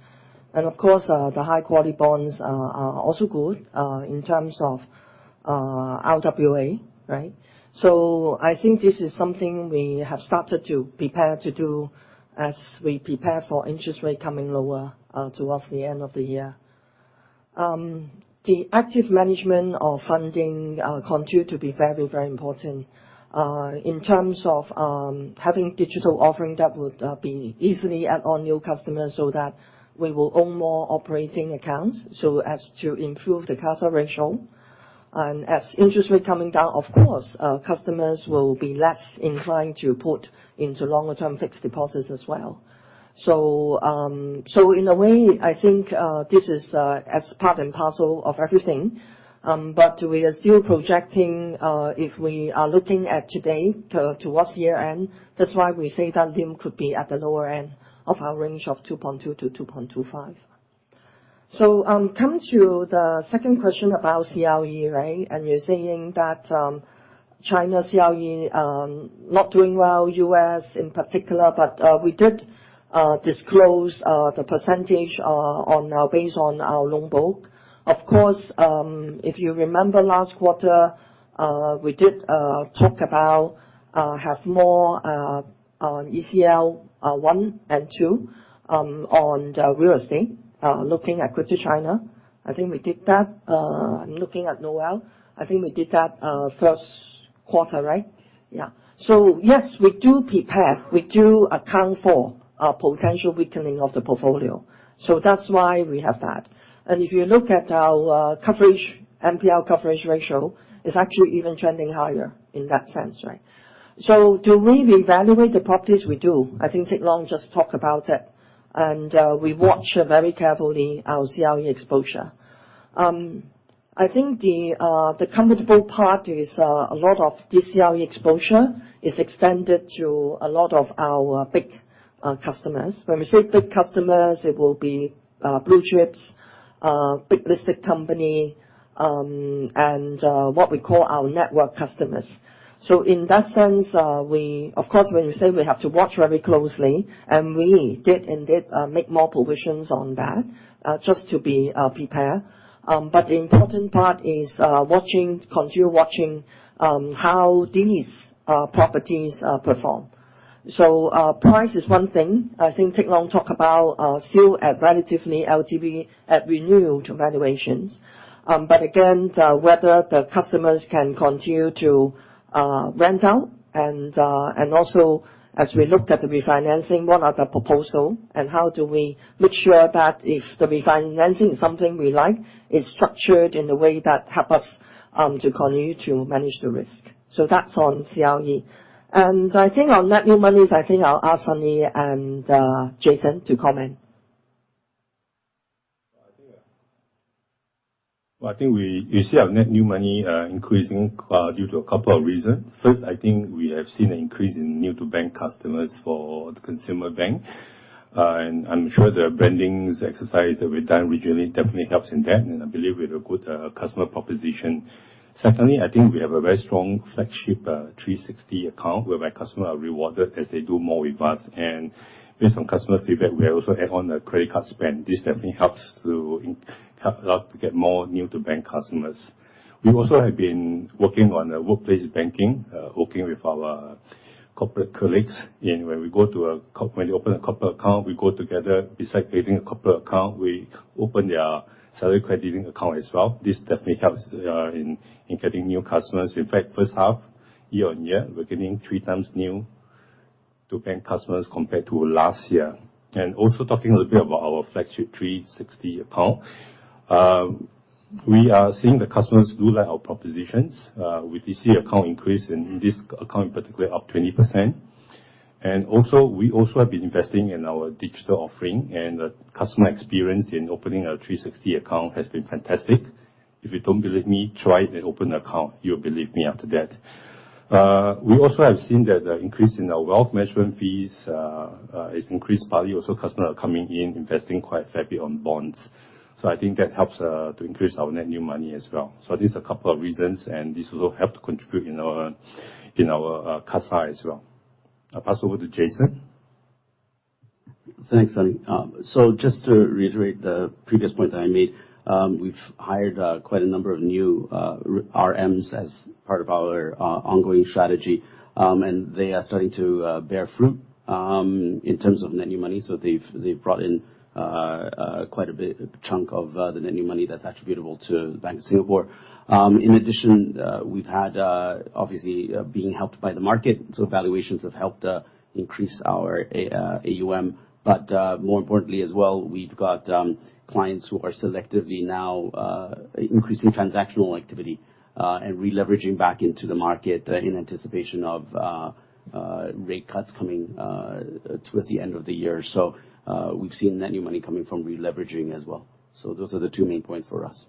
Speaker 3: And of course, the high quality bonds are also good in terms of RWA, right? So I think this is something we have started to prepare to do as we prepare for interest rate coming lower towards the end of the year. The active management of funding continue to be very, very important. In terms of having digital offering that would be easily add on new customers so that we will own more operating accounts, so as to improve the CASA ratio. As interest rates come down, of course, customers will be less inclined to put into longer term fixed deposits as well. So, so in a way, I think, this is, as part and parcel of everything. But we are still projecting, if we are looking at today to, towards the year end, that's why we say that NIM could be at the lower end of our range of 2.2%-2.25%. So, coming to the second question about ECL, right? And you're saying that, China ECL, not doing well, U.S. in particular, but, we did, disclose, the percentage, on our loan book. Of course, if you remember last quarter, we did talk about have more ECL one and two on the real estate looking at Greater China. I think we did that. Looking at NPL, I think we did that first quarter, right? Yeah. So yes, we do prepare, we do account for a potential weakening of the portfolio. So that's why we have that. And if you look at our coverage, NPL coverage ratio, it's actually even trending higher in that sense, right? So do we reevaluate the properties? We do. I think Teck Long just talked about it. And we watch very carefully our CRE exposure. I think the comfortable part is a lot of this CRE exposure is extended to a lot of our big customers. When we say big customers, it will be, blue chips, big listed company, and, what we call our network customers. So in that sense, we... Of course, when we say we have to watch very closely, and we did indeed, make more provisions on that, just to be, prepared. But the important part is, watching, continue watching, how these, properties, perform. So, price is one thing. I think Teck Long talked about, still at relatively LTV, at renewed valuations. But again, the, whether the customers can continue to, rent out, and, and also, as we looked at the refinancing, what are the proposal and how do we make sure that if the refinancing is something we like, it's structured in a way that help us, to continue to manage the risk. So that's on ECL. And I think on net new monies, I think I'll ask Sunny and Jason to comment.
Speaker 8: Well, I think you see our net new money increasing due to a couple of reasons. First, I think we have seen an increase in new-to-bank customers for the consumer bank. And I'm sure the brandings exercise that we've done regionally definitely helps in that, and I believe we have a good customer proposition. Secondly, I think we have a very strong flagship 360 Account, whereby customer are rewarded as they do more with us. And based on customer feedback, we also add on the credit card spend. This definitely helps to help us to get more new-to-bank customers. We also have been working on a workplace banking, working with our corporate colleagues. And when we open a corporate account, we go together. Besides creating a corporate account, we open their salary crediting account as well. This definitely helps in getting new customers. In fact, first half, year-on-year, we're getting three times new to bank customers compared to last year. And also talking a little bit about our flagship 360 Account. We are seeing the customers do like our propositions. We did see account increase, and in this account, in particular, up 20%. And also, we also have been investing in our digital offering, and the customer experience in opening a 360 Account has been fantastic. If you don't believe me, try and open an account. You'll believe me after that. We also have seen that the increase in our wealth management fees is increased partly also customers are coming in, investing quite a fair bit on bonds. I think that helps to increase our net new money as well. These are a couple of reasons, and this will help to contribute in our CASA as well. I'll pass over to Jason.
Speaker 6: Thanks, Sunny. So just to reiterate the previous point that I made, we've hired quite a number of new RMs as part of our ongoing strategy. And they are starting to bear fruit in terms of net new money. So they've brought in quite a bit, chunk of the net new money that's attributable to the Bank of Singapore. In addition, we've had, obviously, being helped by the market, so valuations have helped increase our AUM. But more importantly as well, we've got clients who are selectively now increasing transactional activity and releveraging back into the market in anticipation of rate cuts coming towards the end of the year. So we've seen net new money coming from releveraging as well. Those are the two main points for us.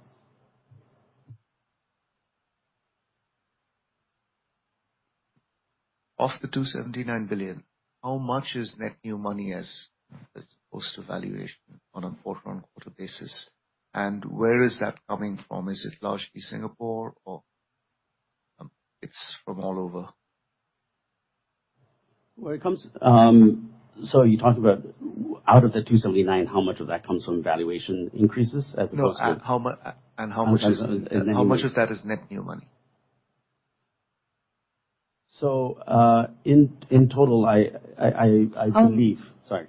Speaker 7: Of the 279 billion, how much is net new money as, as opposed to valuation on a quarter-on-quarter basis, and where is that coming from? Is it largely Singapore, or, it's from all over?
Speaker 6: Well, it comes. So you're talking about out of the 279, how much of that comes from valuation increases as opposed to-
Speaker 7: No, and how much is-
Speaker 6: As in net new money.
Speaker 7: How much of that is net new money?
Speaker 6: So, in total, I believe-
Speaker 2: How-
Speaker 6: Sorry.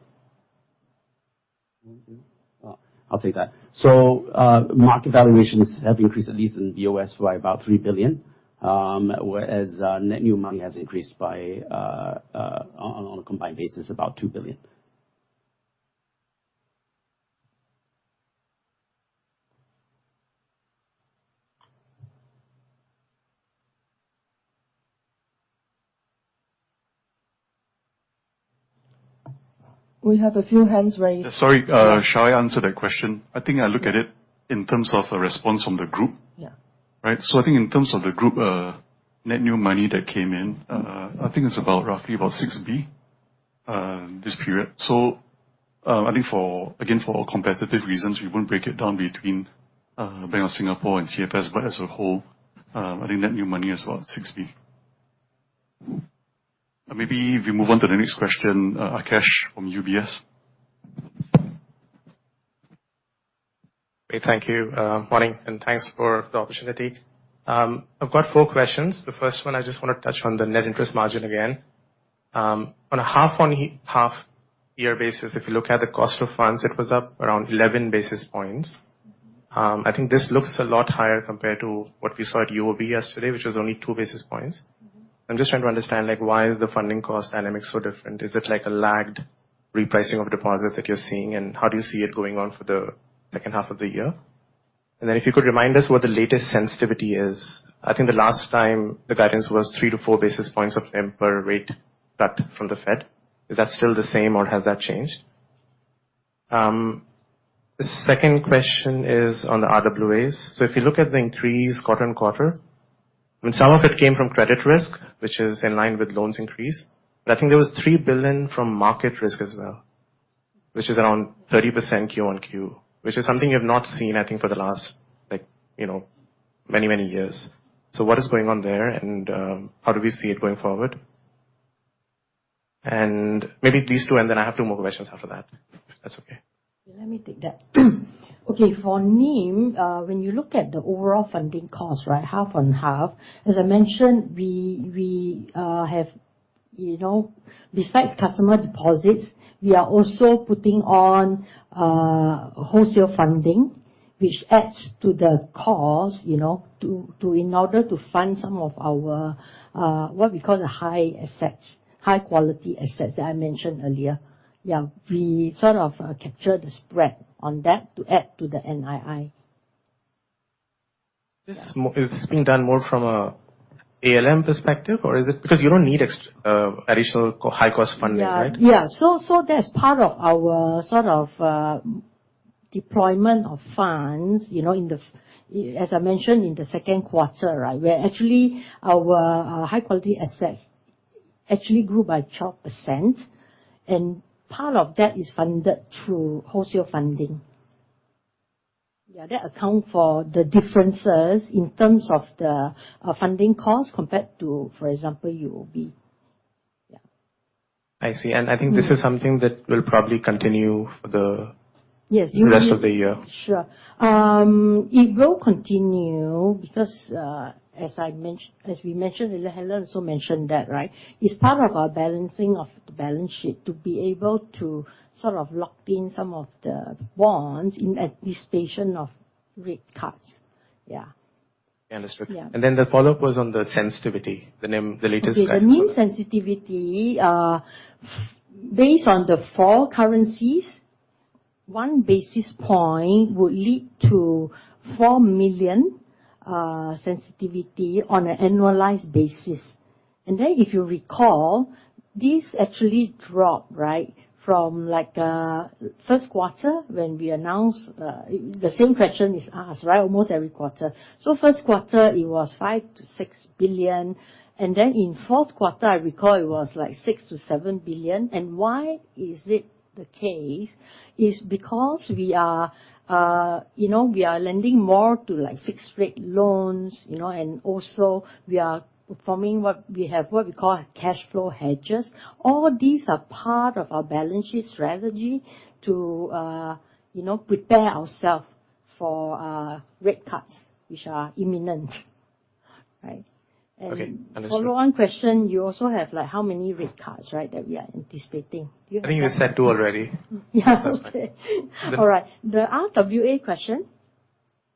Speaker 6: I'll take that. So, market valuations have increased, at least in the OCBC, by about 3 billion, whereas net new money has increased by, on a combined basis, about 2 billion.
Speaker 2: We have a few hands raised.
Speaker 9: Sorry, shall I answer that question? I think I look at it in terms of the response from the group.
Speaker 2: Yeah.
Speaker 9: Right? So I think in terms of the group, net new money that came in, I think it's about, roughly about 6 billion, this period. So, I think for, again, for competitive reasons, we won't break it down between, Bank of Singapore and CFS, but as a whole, I think net new money is about 6 billion. Maybe we move on to the next question, Aakash from UBS.
Speaker 10: Great, thank you. Morning, and thanks for the opportunity. I've got four questions. The first one, I just want to touch on the net interest margin again. On a half-year basis, if you look at the cost of funds, it was up around 11 basis points. I think this looks a lot higher compared to what we saw at UOB yesterday, which was only 2 basis points.
Speaker 8: Mm-hmm.
Speaker 10: I'm just trying to understand, like, why is the funding cost dynamic so different? Is it like a lagged repricing of deposits that you're seeing, and how do you see it going on for the second half of the year? And then, if you could remind us what the latest sensitivity is. I think the last time the guidance was 3-4 basis points of per rate cut from the Fed. Is that still the same, or has that changed? The second question is on the RWAs. So if you look at the increase quarter-on-quarter, when some of it came from credit risk, which is in line with loans increase, but I think there was 3 billion from market risk as well, which is around 30% Q-on-Q, which is something you've not seen, I think, for the last, like, you know, many, many years. So what is going on there, and how do we see it going forward? And maybe these two, and then I have two more questions after that, if that's okay.
Speaker 2: Let me take that. Okay, for me, when you look at the overall funding cost, right, half on half, as I mentioned, we have, you know, besides customer deposits, we are also putting on wholesale funding, which adds to the cost, you know, to in order to fund some of our what we call the high assets, high quality assets that I mentioned earlier. Yeah, we sort of capture the spread on that to add to the NII.
Speaker 10: Is this being done more from an ALM perspective, or is it because you don't need excess additional high-cost funding, right?
Speaker 2: Yeah. Yeah. So, so that's part of our sort of deployment of funds, you know, as I mentioned in the second quarter, right, where actually our high quality assets actually grew by 12%, and part of that is funded through wholesale funding. Yeah, that account for the differences in terms of the funding costs compared to, for example, UOB. Yeah.
Speaker 10: I see.
Speaker 2: Mm.
Speaker 10: I think this is something that will probably continue for the-
Speaker 2: Yes, you want me-
Speaker 10: Rest of the year.
Speaker 2: Sure. It will continue because, as we mentioned earlier, Helen also mentioned that, right? It's part of our balancing of the balance sheet, to be able to sort of lock in some of the bonds in anticipation of rate cuts. Yeah.
Speaker 10: Yeah, that's true.
Speaker 2: Yeah.
Speaker 10: And then the follow-up was on the sensitivity, the NIM, the latest kind of-
Speaker 2: Okay, the NIM sensitivity, based on the four currencies, one basis point would lead to 4 million sensitivity on an annualized basis. And then if you recall, this actually dropped, right? From, like, first quarter, when we announced... The same question is asked, right, almost every quarter. So first quarter it was 5 billion-6 billion, and then in fourth quarter, I recall it was like 6 billion-7 billion. And why is it the case? Is because we are, you know, we are lending more to, like, fixed-rate loans, you know, and also we are performing what we have, what we call cash flow hedges. All these are part of our balance sheet strategy to, you know, prepare ourself for, rate cuts, which are imminent. Right.
Speaker 10: Okay, understood.
Speaker 2: Follow-on question, you also have, like, how many rate cuts, right, that we are anticipating? Do you have-
Speaker 10: I think you said two already.
Speaker 2: Yeah, okay.
Speaker 10: Mm.
Speaker 2: All right. The RWA question,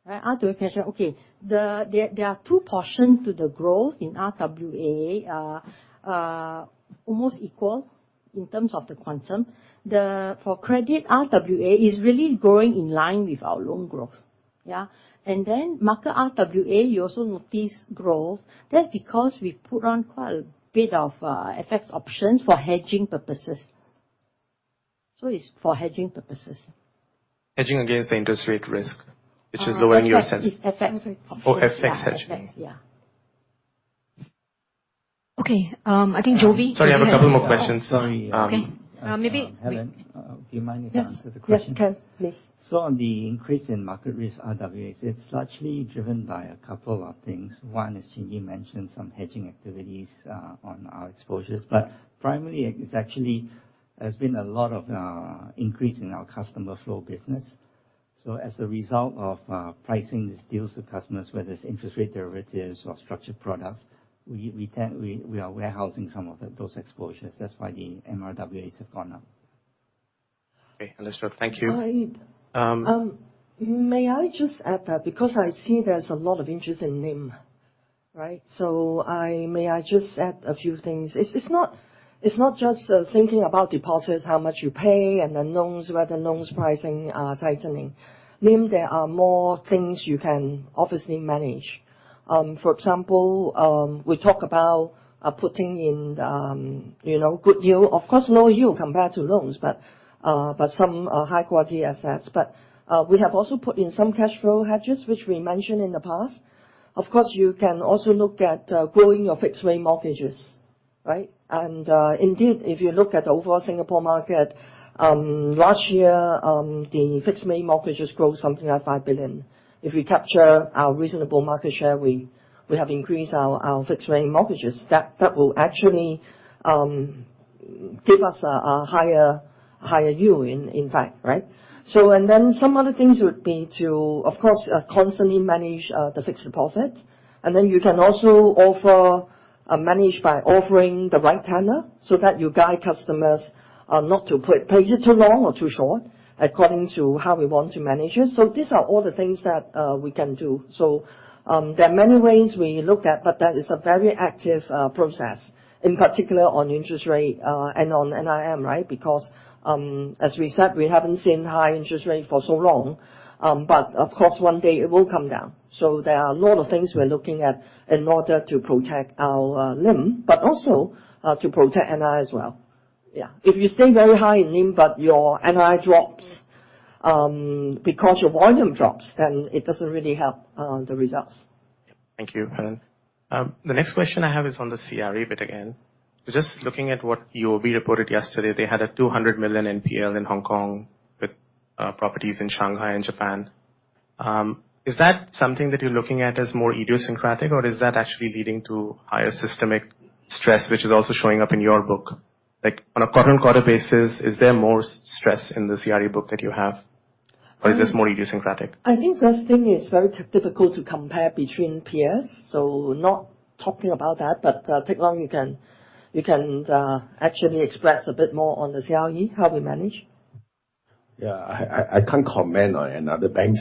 Speaker 2: right, RWA question. Okay, there are two portions to the growth in RWA. Almost equal in terms of the quantum. For credit, RWA is really growing in line with our loan growth, yeah? And then market RWA, you also notice growth. That's because we've put on quite a bit of FX options for hedging purposes. So it's for hedging purposes.
Speaker 10: Hedging against the interest rate risk, which is lowering your-
Speaker 2: It affects.
Speaker 4: Okay.
Speaker 10: Oh, FX hedging.
Speaker 2: Yeah, effects, yeah.
Speaker 4: Okay, I think Jovi-
Speaker 10: Sorry, I have a couple more questions.
Speaker 11: Sorry, um-
Speaker 4: Okay, maybe-
Speaker 11: Helen, do you mind if I answer the question?
Speaker 2: Yes. Yes, you can, please.
Speaker 11: So on the increase in market risk RWAs, it's largely driven by a couple of things. One, as Chin Yee mentioned, some hedging activities on our exposures. But primarily, it's actually... There's been a lot of increase in our customer flow business. So as a result of pricing these deals to customers, whether it's interest rate derivatives or structured products, we tend, we are warehousing some of those exposures. That's why the MRWAs have gone up.
Speaker 10: Okay, understood. Thank you.
Speaker 2: I-
Speaker 10: Um-
Speaker 2: May I just add that because I see there's a lot of interest in NIM, right? May I just add a few things. It's not just thinking about deposits, how much you pay, and the loans, whether loans pricing tightening. NIM, there are more things you can obviously manage. For example, we talk about putting in, you know, good yield. Of course, no yield compared to loans, but some high-quality assets. But we have also put in some cash flow hedges, which we mentioned in the past. Of course, you can also look at growing your fixed rate mortgages, right? And indeed, if you look at the overall Singapore market, last year, the fixed rate mortgages grew something like 5 billion. If we capture our reasonable market share, we have increased our fixed rate mortgages. That will actually give us a higher yield in fact, right? So and then some other things would be to, of course, constantly manage the fixed deposits. And then you can also offer manage by offering the right tenor, so that you guide customers not to put it too long or too short, according to how we want to manage it. So these are all the things that we can do. So there are many ways we look at, but that is a very active process, in particular on interest rate and on NIM, right? Because as we said, we haven't seen high interest rate for so long, but of course, one day it will come down. So there are a lot of things we're looking at in order to protect our NIM, but also to protect NII as well. Yeah. If you stay very high in NIM but your NII drops because your volume drops, then it doesn't really help the results.
Speaker 10: Thank you, Helen. The next question I have is on the CRE bit again. Just looking at what UOB reported yesterday, they had a 200 million NPL in Hong Kong with, properties in Shanghai and Japan. Is that something that you're looking at as more idiosyncratic, or is that actually leading to higher systemic stress, which is also showing up in your book? Like, on a quarter-on-quarter basis, is there more stress in the CRE book that you have?
Speaker 2: Um-
Speaker 10: Or is this more idiosyncratic?
Speaker 2: I think first thing, it's very difficult to compare between peers, so not talking about that, but, Teck Long, you can actually express a bit more on the CRE, how we manage.
Speaker 5: Yeah, I can't comment on another bank's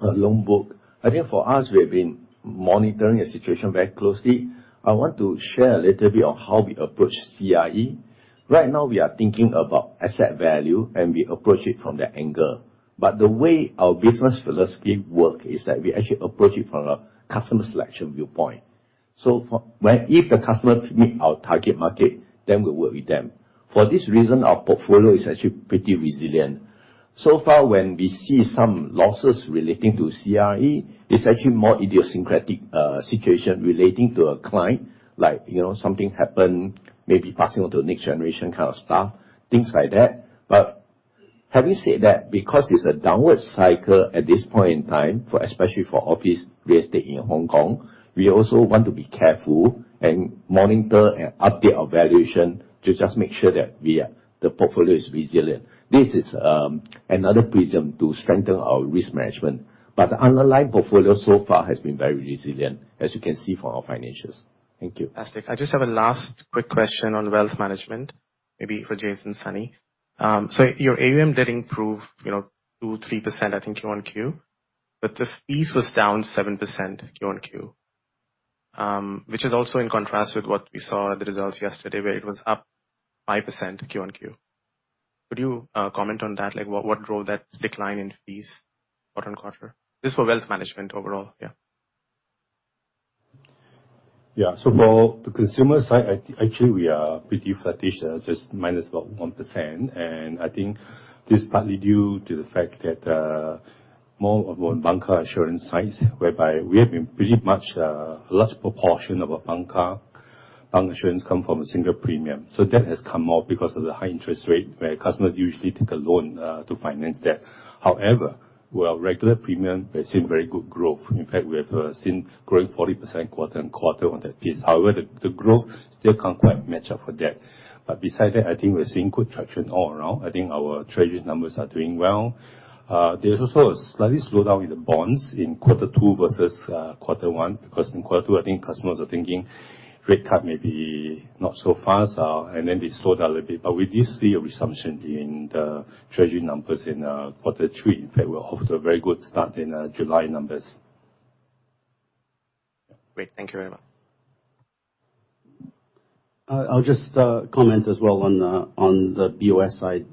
Speaker 5: loan book. I think for us, we've been monitoring the situation very closely. I want to share a little bit on how we approach CRE. Right now we are thinking about asset value, and we approach it from that angle. But the way our business philosophy work is that we actually approach it from a customer selection viewpoint. So for when, if the customer meet our target market, then we'll work with them. For this reason, our portfolio is actually pretty resilient. So far, when we see some losses relating to CRE, it's actually more idiosyncratic situation relating to a client. Like, you know, something happened, maybe passing on to the next generation kind of stuff, things like that. But having said that, because it's a downward cycle at this point in time, for especially for office real estate in Hong Kong, we also want to be careful and monitor and update our valuation to just make sure that the portfolio is resilient. This is another prism to strengthen our risk management. But the underlying portfolio so far has been very resilient, as you can see from our financials. Thank you.
Speaker 10: Fantastic. I just have a last quick question on wealth management, maybe for Jason, Sunny. So your AUM did improve, you know, 2%-3%, I think, Q-on-Q, but the fees was down 7% Q-on-Q. Which is also in contrast with what we saw in the results yesterday, where it was up 5% Q-on-Q. Could you comment on that? Like, what drove that decline in fees quarter-on-quarter? Just for wealth management overall. Yeah.
Speaker 8: Yeah. So for the consumer side, actually, we are pretty flat-ish, just minus about 1%. And I think this is partly due to the fact that, more of on bancassurance sides, whereby we have been pretty much, a large proportion of our bancassurance come from a single premium. So that has come up because of the high interest rate, where customers usually take a loan, to finance that. However, our regular premium has seen very good growth. In fact, we have, seen growing 40% quarter-on-quarter on that pace. However, the, the growth still can't quite match up with that. But beside that, I think we're seeing good traction all around. I think our treasury numbers are doing well. There's also a slightly slowdown in the bonds in quarter two versus quarter one, because in quarter two, I think customers are thinking rate cut may be not so fast, and then they slowed down a little bit. But we did see a resumption in the treasury numbers in quarter three. In fact, we're off to a very good start in July numbers.
Speaker 10: Great. Thank you very much.
Speaker 6: I'll just comment as well on the BOS side.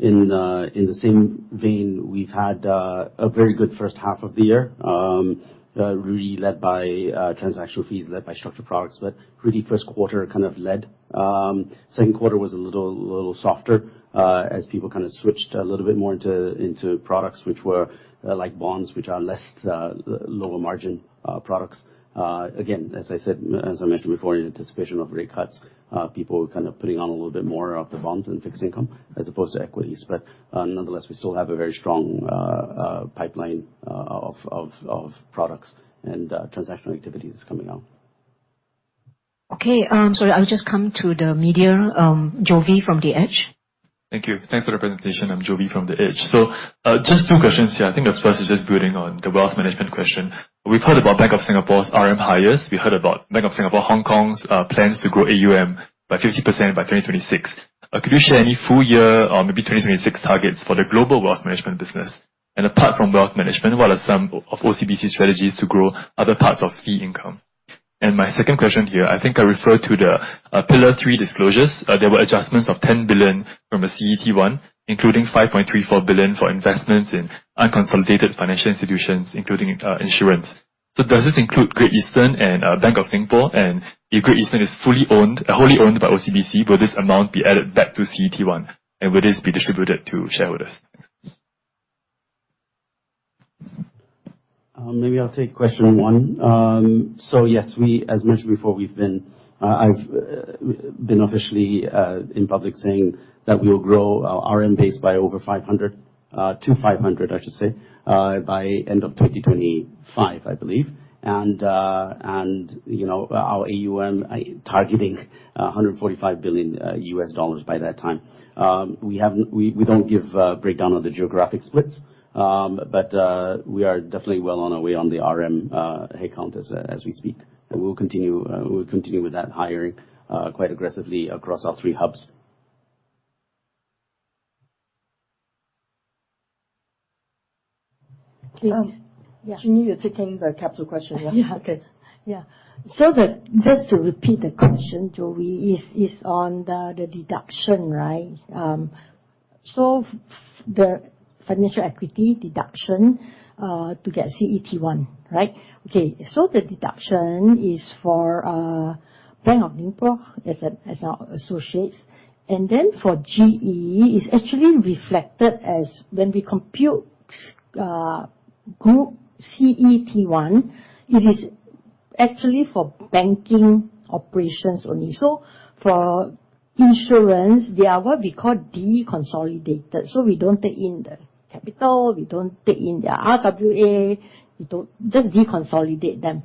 Speaker 6: In the same vein, we've had a very good first half of the year, really led by transactional fees, led by structured products. But really, first quarter kind of led. Second quarter was a little softer, as people kind of switched a little bit more into products which were like bonds, which are less lower margin products. Again, as I said, as I mentioned before, in anticipation of rate cuts, people were kind of putting on a little bit more of the bonds and fixed income as opposed to equities. But nonetheless, we still have a very strong pipeline of products and transactional activities coming up.
Speaker 1: Okay. Sorry, I'll just come to the media, Jovi from The Edge.
Speaker 12: Thank you. Thanks for the presentation. I'm Jovi from The Edge. So, just two questions here. I think the first is just building on the wealth management question. We've heard about Bank of Singapore's RM hires. We heard about Bank of Singapore, Hong Kong's, plans to grow AUM by 50% by 2026. Could you share any full year or maybe 2026 targets for the global wealth management business? And apart from wealth management, what are some of OCBC's strategies to grow other parts of fee income? And my second question here, I think I refer to the, pillar three disclosures. There were adjustments of 10 billion from the CET1, including 5.34 billion for investments in unconsolidated financial institutions, including, insurance. So does this include Great Eastern and, Bank of Singapore? If Great Eastern is fully owned, wholly owned by OCBC, will this amount be added back to CET1, and will this be distributed to shareholders?
Speaker 6: Maybe I'll take question one. So yes, we, as mentioned before, we've been, I've been officially in public saying that we'll grow our RM base by over 500 to 500, I should say, by end of 2025, I believe. And, and, you know, our AUM targeting $145 billion by that time. We haven't we don't give a breakdown of the geographic splits, but we are definitely well on our way on the RM head count as we speak. And we'll continue, we'll continue with that hiring quite aggressively across our three hubs.
Speaker 2: Please, yeah.
Speaker 3: Chin Yee, you're taking the capital question, yeah?
Speaker 2: Yeah, okay. Yeah. So, just to repeat the question, Jovi, is, is on the, the deduction, right? So the financial equity deduction to get CET1, right? Okay, so the deduction is for Bank of Ningbo as a, as our associates, and then for GE, it's actually reflected as when we compute group CET1, it is actually for banking operations only. So for insurance, they are what we call deconsolidated, so we don't take in the capital, we don't take in their RWA, we don't... Just deconsolidate them.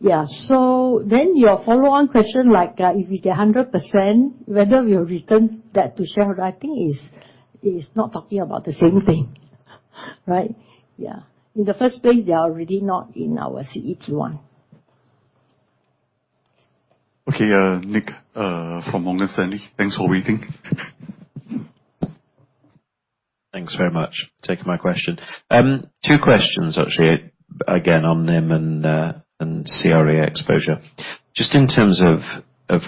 Speaker 2: Yeah, so then your follow-on question, like, if we get 100%, whether we return that to shareholder, I think is, is not talking about the same thing, right? Yeah. In the first place, they are already not in our CET1.
Speaker 9: Okay, Nick, from Morgan Stanley. Thanks for waiting.
Speaker 13: Thanks very much for taking my question. Two questions, actually, again, on NIM and CRE exposure. Just in terms of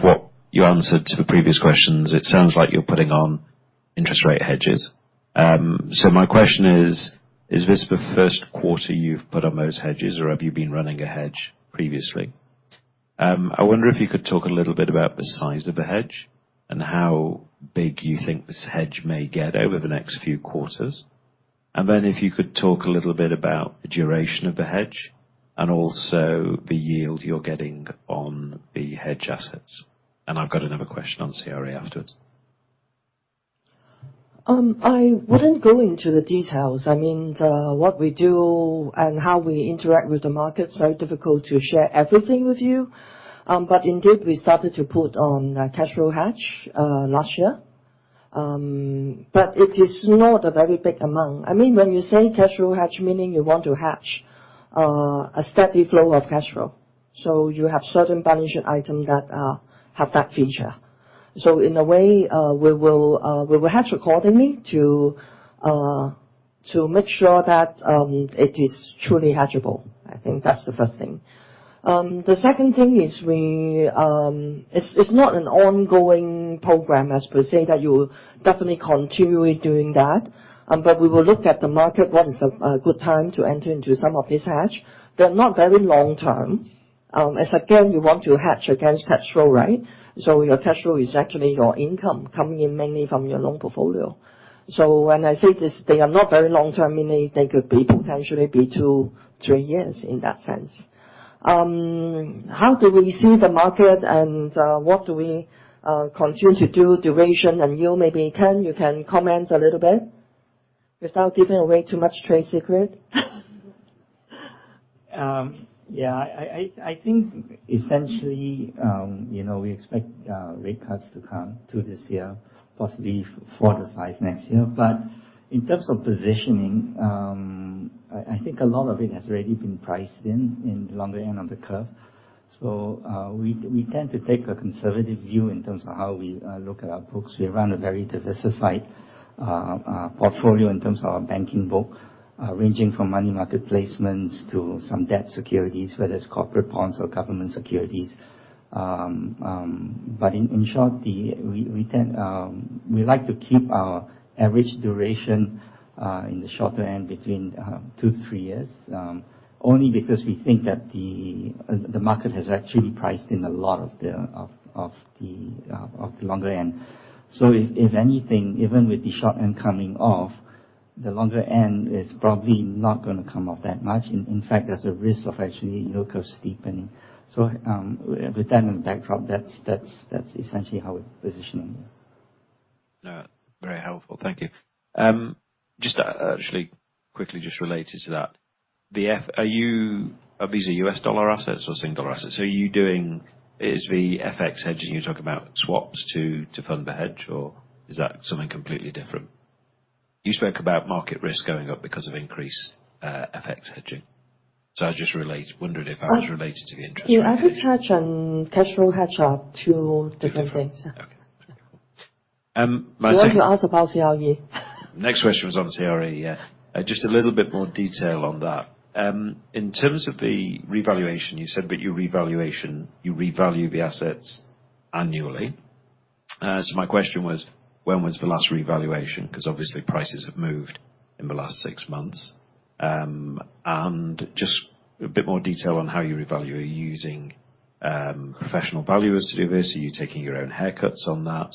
Speaker 13: what you answered to the previous questions, it sounds like you're putting on interest rate hedges. So my question is, is this the first quarter you've put on those hedges, or have you been running a hedge previously? I wonder if you could talk a little bit about the size of the hedge and how big you think this hedge may get over the next few quarters. And then, if you could talk a little bit about the duration of the hedge, and also the yield you're getting on the hedge assets. And I've got another question on CRE afterwards.
Speaker 3: I wouldn't go into the details. I mean, what we do and how we interact with the market, it's very difficult to share everything with you. But indeed, we started to put on a cash flow hedge last year. But it is not a very big amount. I mean, when you say cash flow hedge, meaning you want to hedge a steady flow of cash flow. So you have certain balancing item that have that feature. So in a way, we will we will hedge accordingly to to make sure that it is truly hedgeable. I think that's the first thing. The second thing is we—it's not an ongoing program, per se, that you definitely continue doing that, but we will look at the market, what is a good time to enter into some of this hedge. They're not very long-term. As again, you want to hedge against cash flow, right? So your cash flow is actually your income coming in mainly from your loan portfolio. So when I say this, they are not very long-term, meaning they could be potentially two, three years in that sense. How do we see the market and what do we continue to do, duration and yield? Maybe, Ken, you can comment a little bit without giving away too much trade secret.
Speaker 11: Yeah, I think essentially, you know, we expect rate cuts to come this year, possibly 4-5 next year. But in terms of positioning, I think a lot of it has already been priced in, in the longer end of the curve. So, we tend to take a conservative view in terms of how we look at our books. We run a very diversified portfolio in terms of our banking book, ranging from money market placements to some debt securities, whether it's corporate bonds or government securities. But in short, we tend to keep our average duration in the shorter end between 2-3 years, only because we think that the market has actually priced in a lot of the longer end. So if anything, even with the short end coming off, the longer end is probably not gonna come off that much. In fact, there's a risk of actually yield curve steepening. So, with that in backdrop, that's essentially how we're positioning it.
Speaker 13: Very helpful. Thank you. Just, actually quickly, just related to that. Are these U.S. dollar assets or Sing dollar assets? Are you doing the FX hedging, you talk about swaps to fund the hedge, or is that something completely different? You spoke about market risk going up because of increased FX hedging. So I was just wondering if I was related to the interest rate.
Speaker 3: Yeah, FX hedge and cash flow hedge are two different things.
Speaker 13: Okay. My second-
Speaker 3: You want to ask about CRE?
Speaker 13: Next question was on CRE, yeah. Just a little bit more detail on that. In terms of the revaluation, you said that your revaluation, you revalue the assets annually. So my question was, when was the last revaluation? Because obviously, prices have moved in the last six months. And just a bit more detail on how you revalue. Are you using professional valuers to do this? Are you taking your own haircuts on that?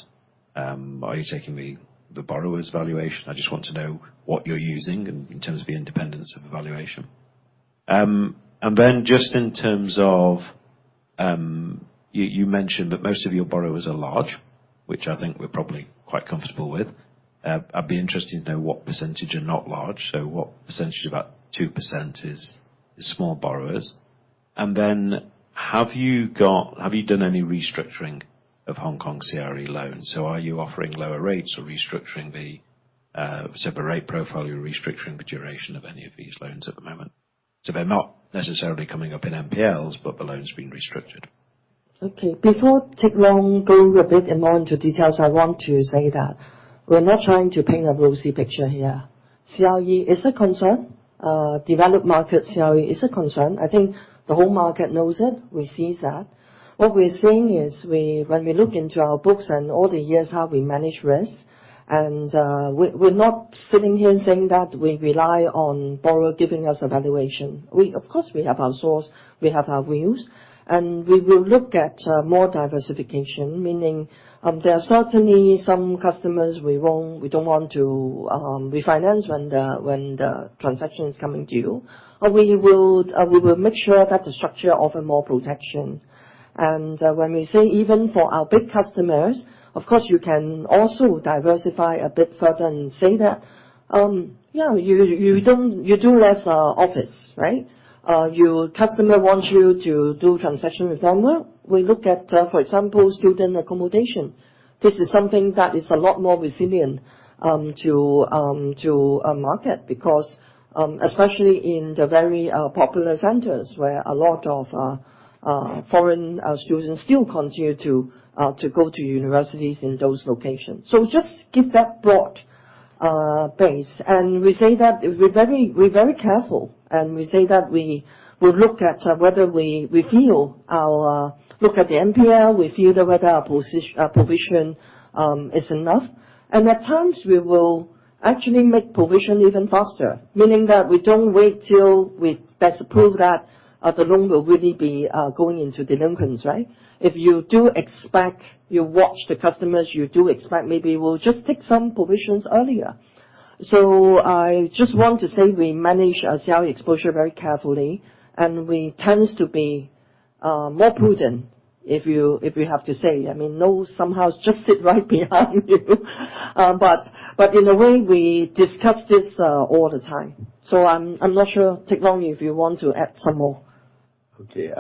Speaker 13: Are you taking the borrower's valuation? I just want to know what you're using in terms of the independence of the valuation. And then just in terms of you mentioned that most of your borrowers are large, which I think we're probably quite comfortable with. I'd be interested to know what percentage are not large. So what percentage, about 2% is small borrowers. And then, have you done any restructuring of Hong Kong CRE loans? So are you offering lower rates or restructuring the separate profile? You're restructuring the duration of any of these loans at the moment. So they're not necessarily coming up in NPLs, but the loan's been restructured.
Speaker 3: Okay. Before Teck Long, go a bit more into details. I want to say that we're not trying to paint a rosy picture here. CRE is a concern. Developed market CRE is a concern. I think the whole market knows it. We see that. What we're saying is when we look into our books and all the years, how we manage risk, and we're not sitting here saying that we rely on borrower giving us a valuation. Of course, we have our source, we have our views, and we will look at more diversification, meaning there are certainly some customers we won't refinance when the transaction is coming due. We will make sure that the structure offer more protection. When we say even for our big customers, of course, you can also diversify a bit further and say that, yeah, you do less office, right? Your customer wants you to do transaction with them. Well, we look at, for example, student accommodation. This is something that is a lot more resilient to market, because especially in the very popular centers, where a lot of foreign students still continue to go to universities in those locations. So just keep that broad base, and we say that we're very careful, and we say that we will look at the NPL. We feel that whether our provision is enough. At times, we will actually make provision even faster, meaning that we don't wait till we best prove that the loan will really be going into delinquents, right? If you do expect, you watch the customers, you do expect, maybe we'll just take some provisions earlier. So I just want to say we manage our CI exposure very carefully, and we tends to be more prudent, if you have to say. I mean, no, somehow just sit right behind you. But in a way, we discuss this all the time. So I'm not sure, Teck Long, if you want to add some more.
Speaker 5: Okay,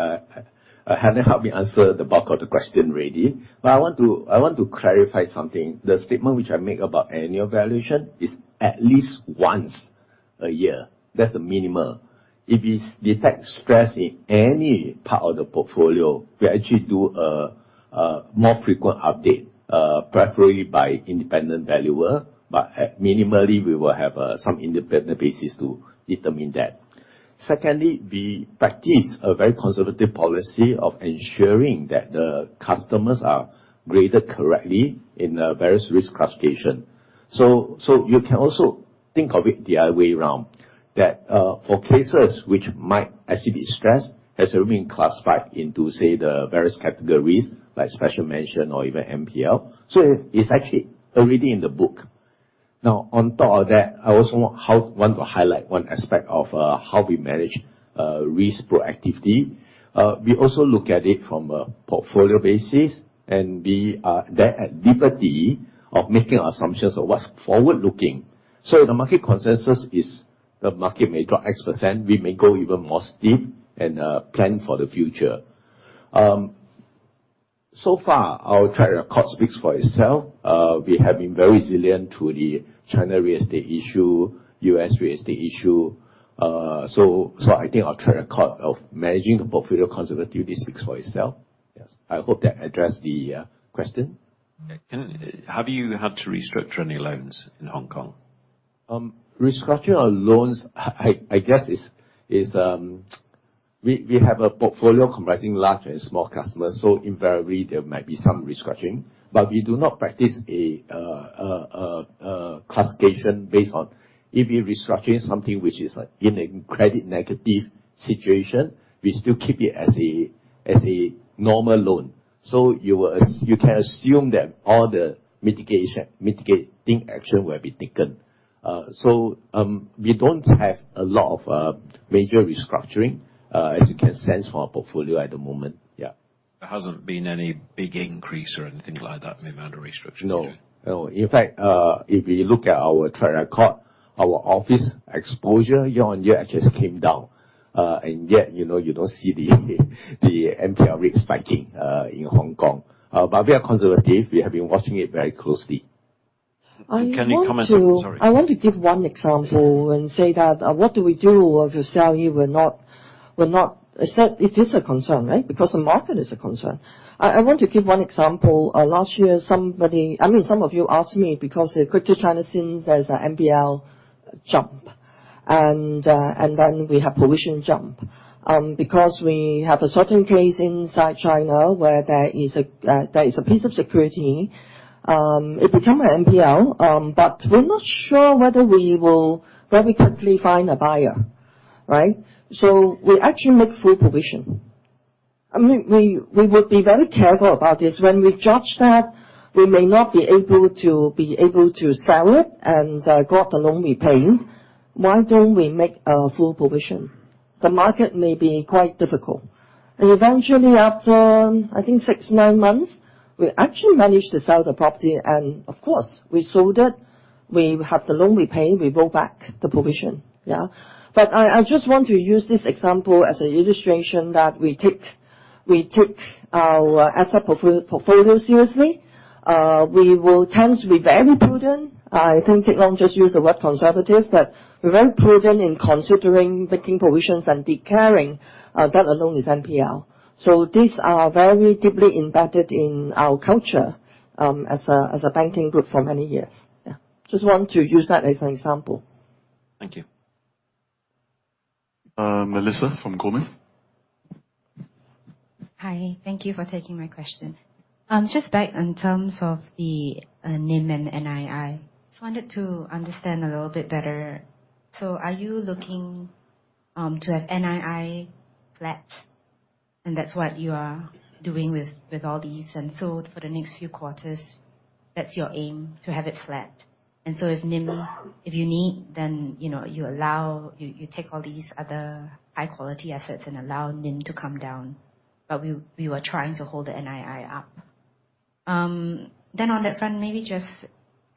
Speaker 5: Helen helped me answer the bulk of the question already, but I want to, I want to clarify something. The statement which I make about annual valuation is at least once a year. That's the minimum. If we detect stress in any part of the portfolio, we actually do a more frequent update, preferably by independent valuer, but at minimally, we will have some independent basis to determine that. Secondly, we practice a very conservative policy of ensuring that the customers are graded correctly in the various risk classification. So you can also think of it the other way around, that for cases which might actually be stressed, has already been classified into, say, the various categories, like special mention or even NPL. So it's actually already in the book. Now, on top of that, I also want to highlight one aspect of how we manage risk proactively. We also look at it from a portfolio basis, and we are at liberty of making assumptions of what's forward-looking. So if the market consensus is the market may drop X%, we may go even more steep and plan for the future. So far, our track record speaks for itself. We have been very resilient to the China real estate issue, U.S. real estate issue. So I think our track record of managing the portfolio conservatively speaks for itself. Yes, I hope that addressed the question.
Speaker 13: Have you had to restructure any loans in Hong Kong?
Speaker 5: Restructuring our loans, I guess, is... We have a portfolio comprising large and small customers, so invariably, there might be some restructuring. But we do not practice a classification based on if we're restructuring something which is in a credit negative situation, we still keep it as a normal loan. So you can assume that all the mitigation, mitigating action will be taken. So, we don't have a lot of major restructuring, as you can sense from our portfolio at the moment. Yeah.
Speaker 13: There hasn't been any big increase or anything like that in the amount of restructuring?
Speaker 5: No. No. In fact, if you look at our track record, our office exposure year-on-year actually came down. And yet, you know, you don't see the NPL rate spiking in Hong Kong. But we are conservative. We have been watching it very closely.
Speaker 13: Can you comment on... Sorry.
Speaker 3: I want to give one example and say that, what do we do if your sale, you were not, were not—I said it is a concern, right? Because the market is a concern. I want to give one example. Last year, some of you asked me because they went to China, since there's an NPL jump, and then we have provision jump. Because we have a certain case inside China where there is a piece of security, it become an NPL, but we're not sure whether we will very quickly find a buyer, right? So we actually make full provision. I mean, we would be very careful about this. When we judge that we may not be able to, be able to sell it and got the loan repaid, why don't we make a full provision? The market may be quite difficult. And eventually, after, I think, 6-9 months, we actually managed to sell the property, and of course, we sold it. We have the loan repaid, we roll back the provision. Yeah? But I just want to use this example as an illustration that we take our asset portfolio seriously. We will tend to be very prudent. I think Teck Long just used the word conservative, but we're very prudent in considering taking provisions and declaring that the loan is NPL. So these are very deeply embedded in our culture as a banking group for many years. Yeah, just want to use that as an example.
Speaker 13: Thank you.
Speaker 9: Melissa from Goldman.
Speaker 14: Hi, thank you for taking my question. Just back in terms of the NIM and NII, just wanted to understand a little bit better. So are you looking to have NII flat, and that's what you are doing with all these? And so for the next few quarters, that's your aim, to have it flat. And so if NIM, if you need, then you know, you allow... You take all these other high-quality assets and allow NIM to come down, but we were trying to hold the NII up. Then on that front, maybe just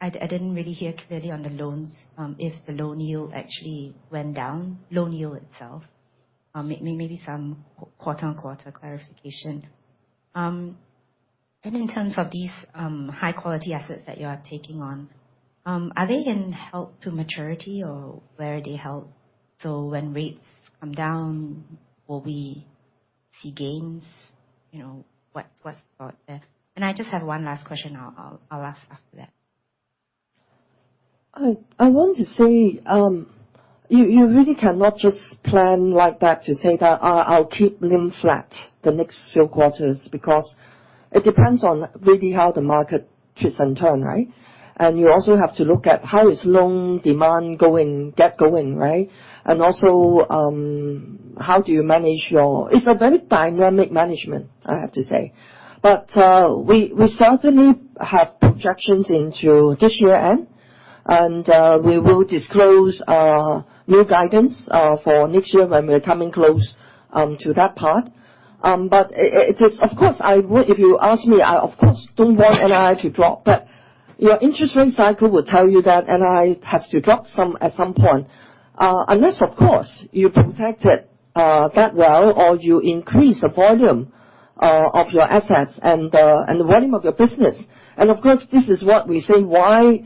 Speaker 14: I didn't really hear clearly on the loans, if the loan yield actually went down, loan yield itself, maybe some quarter-on-quarter clarification. And in terms of these high-quality assets that you are taking on, are they held to maturity or where they held? So when rates come down, will we see gains, you know, what's out there? And I just have one last question I'll ask after that.
Speaker 3: I want to say, you really cannot just plan like that, to say that, "I'll keep NIM flat the next few quarters," because it depends on really how the market twists and turn, right? And you also have to look at how is loan demand getting going, right? And also, how do you manage your... It's a very dynamic management, I have to say. But we certainly have projections into this year end, and we will disclose new guidance for next year when we're coming close to that part. But it is. Of course, I would... If you ask me, I of course don't want NII to drop, but your interest rate cycle will tell you that NII has to drop some, at some point. Unless, of course, you protected that well, or you increase the volume of your assets and the, and the volume of your business. And of course, this is what we say, why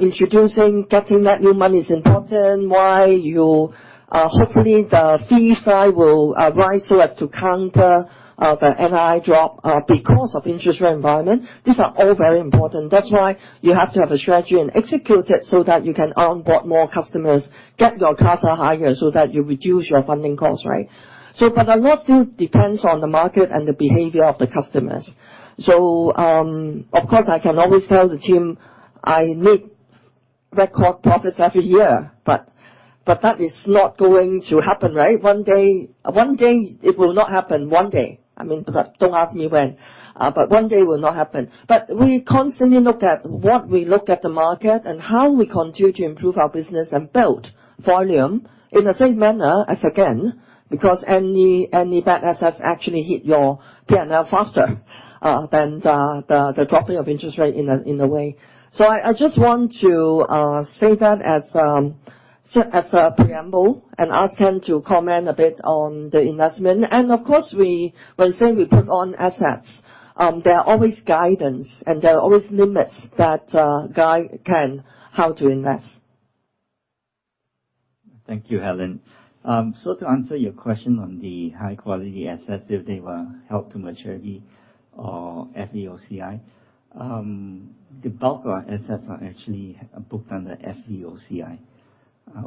Speaker 3: introducing, getting that new money is important, why you hopefully the fee side will rise so as to counter the NII drop because of interest rate environment. These are all very important. That's why you have to have a strategy and execute it, so that you can onboard more customers, get your CASA higher, so that you reduce your funding costs, right? So but a lot still depends on the market and the behavior of the customers. So, of course, I can always tell the team, "I need record profits every year," but, but that is not going to happen, right? One day, one day it will not happen. One day. I mean, but don't ask me when, but one day will not happen. But we constantly look at what we look at the market and how we continue to improve our business and build volume in the same manner as again, because any bad assets actually hit your P&L faster than the dropping of interest rate in a way. So I just want to say that as a preamble, and ask Ken to comment a bit on the investment. And of course, we, when saying we put on assets, there are always guidance, and there are always limits that guide Ken how to invest.
Speaker 11: Thank you, Helen. So to answer your question on the high quality assets, if they were held to maturity or FVOCI, the bulk of our assets are actually booked under FVOCI.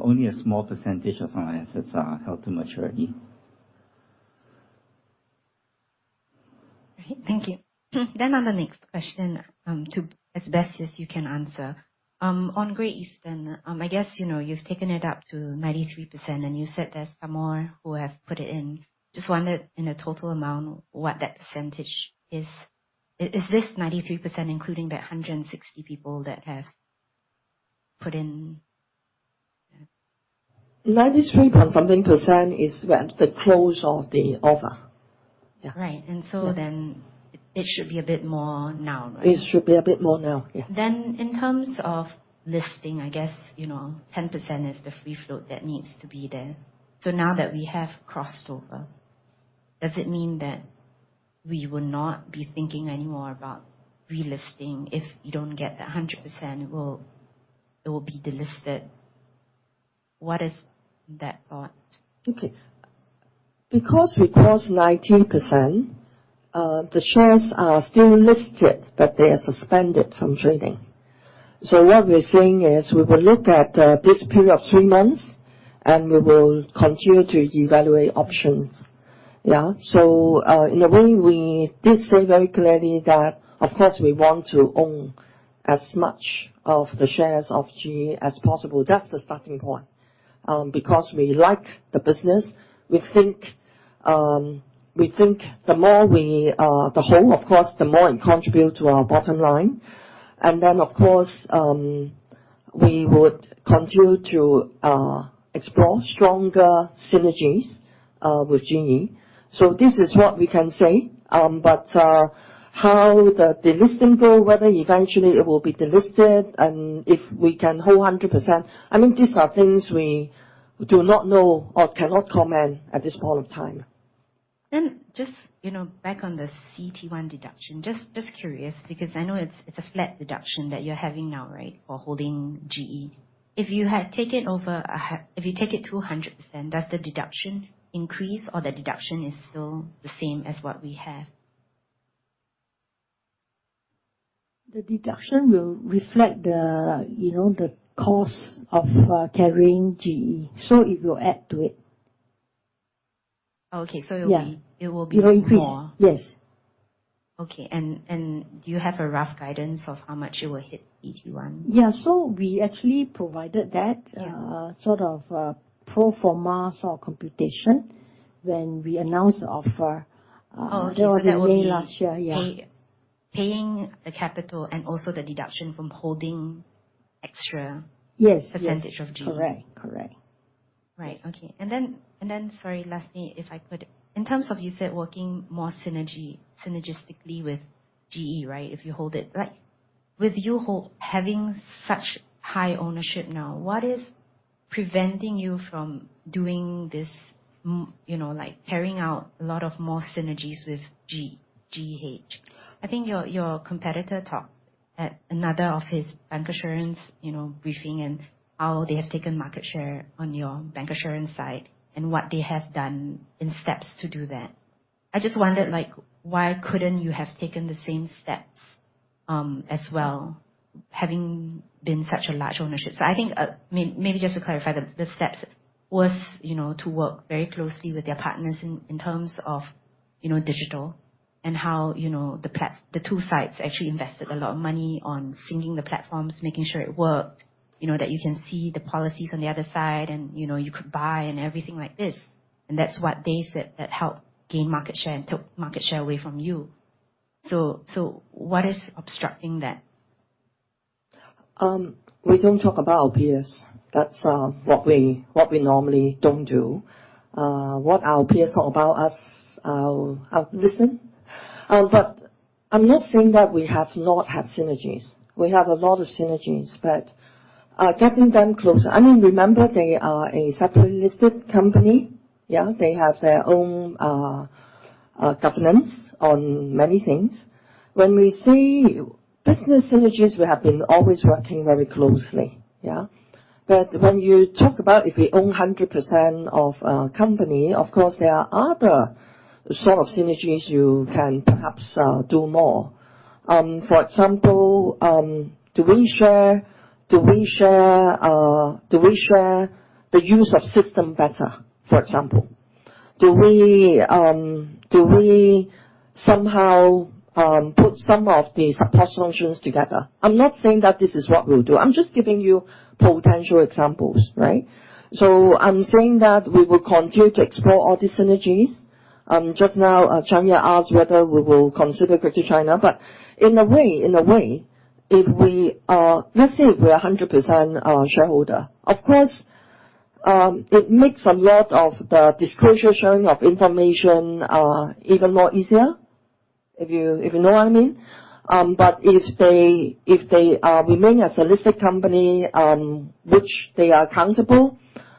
Speaker 11: Only a small percentage of our assets are held to maturity.
Speaker 12: Right. Thank you. On the next question, as best as you can answer, on Great Eastern, I guess, you know, you've taken it up to 93%, and you said there's some more who have put it in. Just wondered, in a total amount, what that percentage is. Is this 93%, including the 160 people that have put in?
Speaker 3: 93.something percent is when? The close of the offer. Yeah.
Speaker 14: Right.
Speaker 3: Yeah.
Speaker 14: It should be a bit more now, right?
Speaker 3: It should be a bit more now, yes.
Speaker 14: Then in terms of listing, I guess, you know, 10% is the free float that needs to be there. So now that we have crossed over, does it mean that we will not be thinking any more about delisting? If you don't get that 100%, it will, it will be delisted. What is that part?
Speaker 3: Okay. Because we crossed 19%, the shares are still listed, but they are suspended from trading. So what we're saying is, we will look at this period of three months, and we will continue to evaluate options. Yeah. So, in a way, we did say very clearly that of course, we want to own as much of the shares of GE as possible. That's the starting point. Because we like the business, we think, we think the more we, the whole, of course, the more it contribute to our bottom line. And then, of course, we would continue to explore stronger synergies with GE. So this is what we can say, but how the delisting go, whether eventually it will be delisted and if we can hold 100%, I mean, these are things we do not know or cannot comment at this point in time.
Speaker 14: Just, you know, back on the CET1 deduction, just curious, because I know it's a flat deduction that you're having now, right? For holding GE. If you take it to 100%, does the deduction increase or the deduction is still the same as what we have?
Speaker 3: The deduction will reflect the, you know, the cost of carrying GE, so it will add to it.
Speaker 14: Okay.
Speaker 3: Yeah.
Speaker 14: So it will be-
Speaker 3: It will increase.
Speaker 15: More.
Speaker 3: Yes.
Speaker 14: Okay, and do you have a rough guidance of how much it will hit CET1?
Speaker 3: Yeah. So we actually provided that-
Speaker 14: Yeah
Speaker 3: Sort of, pro forma sort of computation when we announced the offer.
Speaker 14: Oh, okay-
Speaker 3: That was in May last year. Yeah.
Speaker 14: Paying the capital and also the deduction from holding extra-
Speaker 3: Yes
Speaker 14: Percentage of GE.
Speaker 3: Correct. Correct.
Speaker 14: Right. Okay. Sorry, lastly, if I could, in terms of you said, working more synergy, synergistically with GE, right? If you hold it, like with you having such high ownership now, what is preventing you from doing this, you know, like carrying out a lot more synergies with GEH? I think your competitor talked at another of his bancassurance, you know, briefing, and how they have taken market share on your bancassurance side, and what they have done in steps to do that. I just wondered, like, why couldn't you have taken the same steps, as well, having been such a large ownership? So I think, maybe just to clarify, the steps was, you know, to work very closely with their partners in terms of, you know, digital and how, you know, the two sides actually invested a lot of money on syncing the platforms, making sure it worked, you know, that you can see the policies on the other side and, you know, you could buy and everything like this. And that's what they said, that helped gain market share and took market share away from you. So what is obstructing that?
Speaker 3: We don't talk about our peers. That's what we normally don't do. What our peers talk about us, I'll listen. But I'm not saying that we have not had synergies. We have a lot of synergies, but getting them closer, I mean, remember, they are a separately listed company, yeah? They have their own governance on many things. When we see business synergies, we have been always working very closely, yeah? But when you talk about if we own 100% of a company, of course, there are other sort of synergies you can perhaps do more. For example, do we share the use of system better, for example? Do we somehow put some of the support functions together? I'm not saying that this is what we'll do. I'm just giving you potential examples, right? So I'm saying that we will continue to explore all the synergies. Just now, Chanya asked whether we will consider Credit China. But in a way, in a way, if we are—let's say if we are 100% shareholder, of course, it makes a lot of the disclosure sharing of information even more easier, if you, if you know what I mean? But if they, if they, remain as a listed company, which they are accountable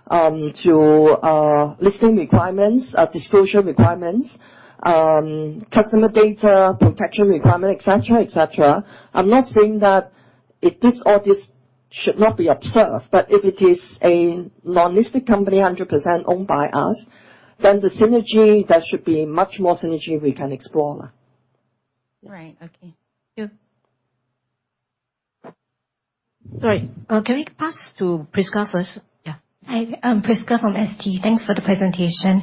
Speaker 3: to listing requirements, disclosure requirements, customer data protection requirement, et cetera, et cetera. I'm not saying that if this or this should not be observed, but if it is a non-listed company, 100% owned by us, then the synergy, there should be much more synergy we can explore.
Speaker 14: Right. Okay. Thank you.
Speaker 1: Sorry, can we pass to Prisca first? Yeah.
Speaker 16: Hi, I'm Prisca from ST. Thanks for the presentation.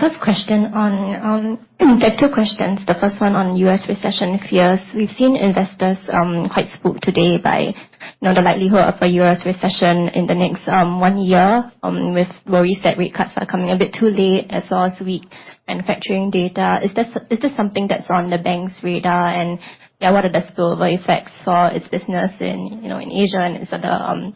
Speaker 16: First question on, there are two questions. The first one on U.S. recession fears. We've seen investors quite spooked today by, you know, the likelihood of a U.S. recession in the next one year with worries that rate cuts are coming a bit too late, as well as weak manufacturing data. Is this, is this something that's on the bank's radar? And, yeah, what are the spillover effects for its business in, you know, in Asia and sort of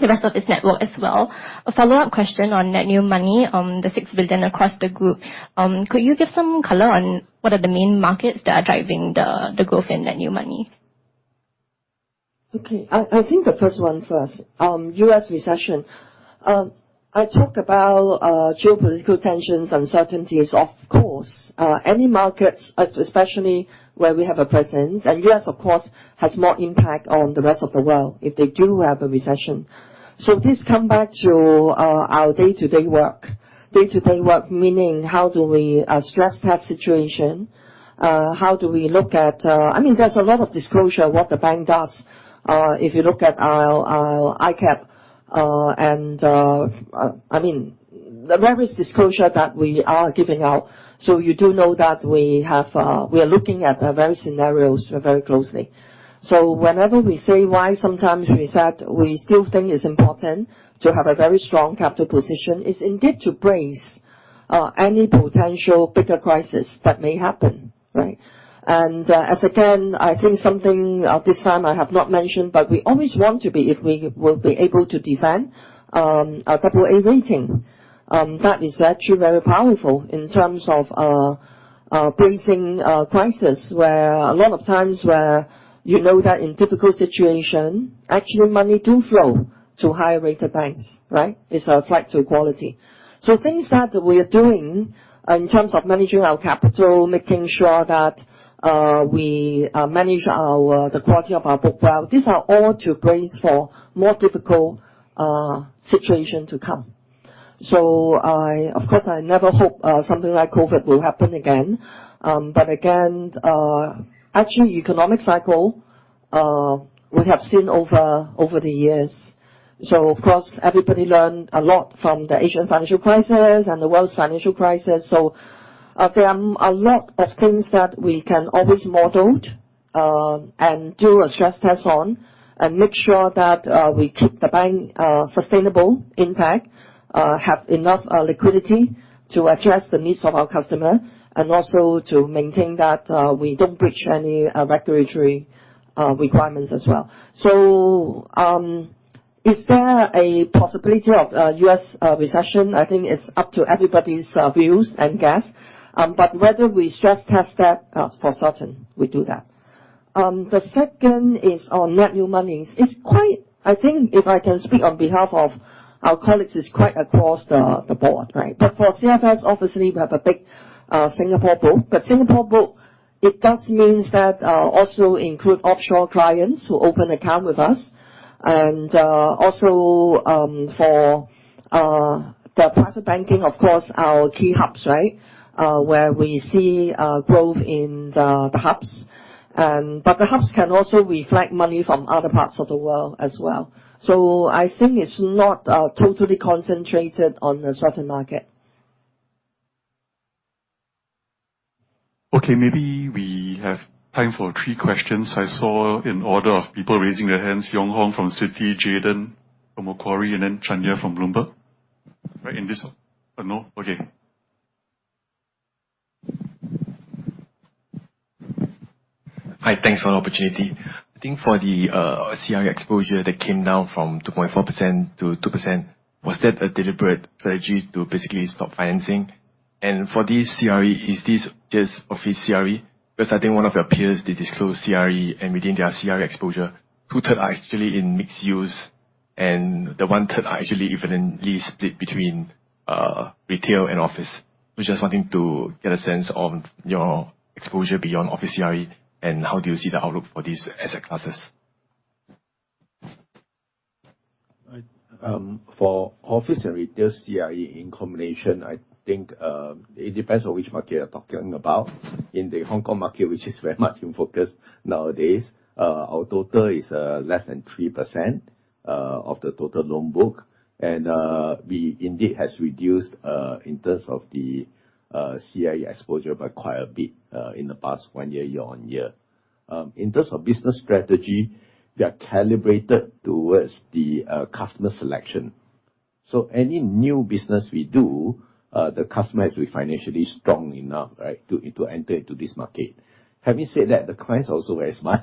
Speaker 16: the rest of its network as well? A follow-up question on net new money, the 6 billion across the group. Could you give some color on what are the main markets that are driving the, the growth in net new money?
Speaker 3: Okay. I think the first one first, U.S. recession. I talk about geopolitical tensions, uncertainties. Of course, any markets, especially where we have a presence, and U.S., of course, has more impact on the rest of the world if they do have a recession. So this come back to our day-to-day work. Day-to-day work, meaning how do we stress test situation? How do we look at... I mean, there's a lot of disclosure what the bank does. If you look at our ICAAP, and I mean, there is disclosure that we are giving out. So you do know that we have we are looking at various scenarios very closely. So whenever we say why sometimes we said we still think it's important to have a very strong capital position, is indeed to brace any potential bigger crisis that may happen, right? And, as again, I think something this time I have not mentioned, but we always want to be, if we will be able to defend our double A rating, that is actually very powerful in terms of bracing a crisis, where a lot of times you know that in difficult situation, actually money do flow to higher-rated banks, right? It's a flight to quality. So things that we are doing in terms of managing our capital, making sure that we manage the quality of our book well, these are all to brace for more difficult situation to come. So of course, I never hope something like COVID will happen again. But again, actually economic cycle we have seen over the years. So of course, everybody learned a lot from the Asian financial crisis and the world's financial crisis. So there are a lot of things that we can always modeled and do a stress test on, and make sure that we keep the bank sustainable, intact, have enough liquidity to address the needs of our customer, and also to maintain that we don't breach any regulatory requirements as well. So is there a possibility of a U.S. recession? I think it's up to everybody's views and guess. But whether we stress test that for certain, we do that. The second is on net new monies. It's quite—I think if I can speak on behalf of our colleagues, it's quite across the board, right? But for CFS, obviously, we have a big Singapore book. It does means that also include offshore clients who open account with us. And also for the private banking, of course, our key hubs, right? Where we see growth in the hubs. But the hubs can also reflect money from other parts of the world as well. So I think it's not totally concentrated on a certain market.
Speaker 9: Okay, maybe we have time for three questions. I saw in order of people raising their hands, Yong Hong from Citi, Jayden from Macquarie, and then Chanyaporn from Bloomberg. Right? Okay.
Speaker 17: Hi, thanks for the opportunity. I think for the CRE exposure that came down from 2.4% to 2%, was that a deliberate strategy to basically stop financing? And for this CRE, is this just office CRE? Because I think one of your peers, they disclosed CRE, and within their CRE exposure, 2/3 are actually in mixed use, and the 1/3 are actually evenly split between retail and office. We're just wanting to get a sense on your exposure beyond office CRE, and how do you see the outlook for these asset classes?
Speaker 5: Right. For office and retail CRE in combination, I think, it depends on which market you're talking about. In the Hong Kong market, which is very much in focus nowadays, our total is less than 3% of the total loan book. We indeed has reduced in terms of the CRE exposure by quite a bit in the past one year, year-on-year. In terms of business strategy, we are calibrated towards the customer selection. So any new business we do, the customer has to be financially strong enough, right, to enter into this market. Having said that, the clients are also very smart.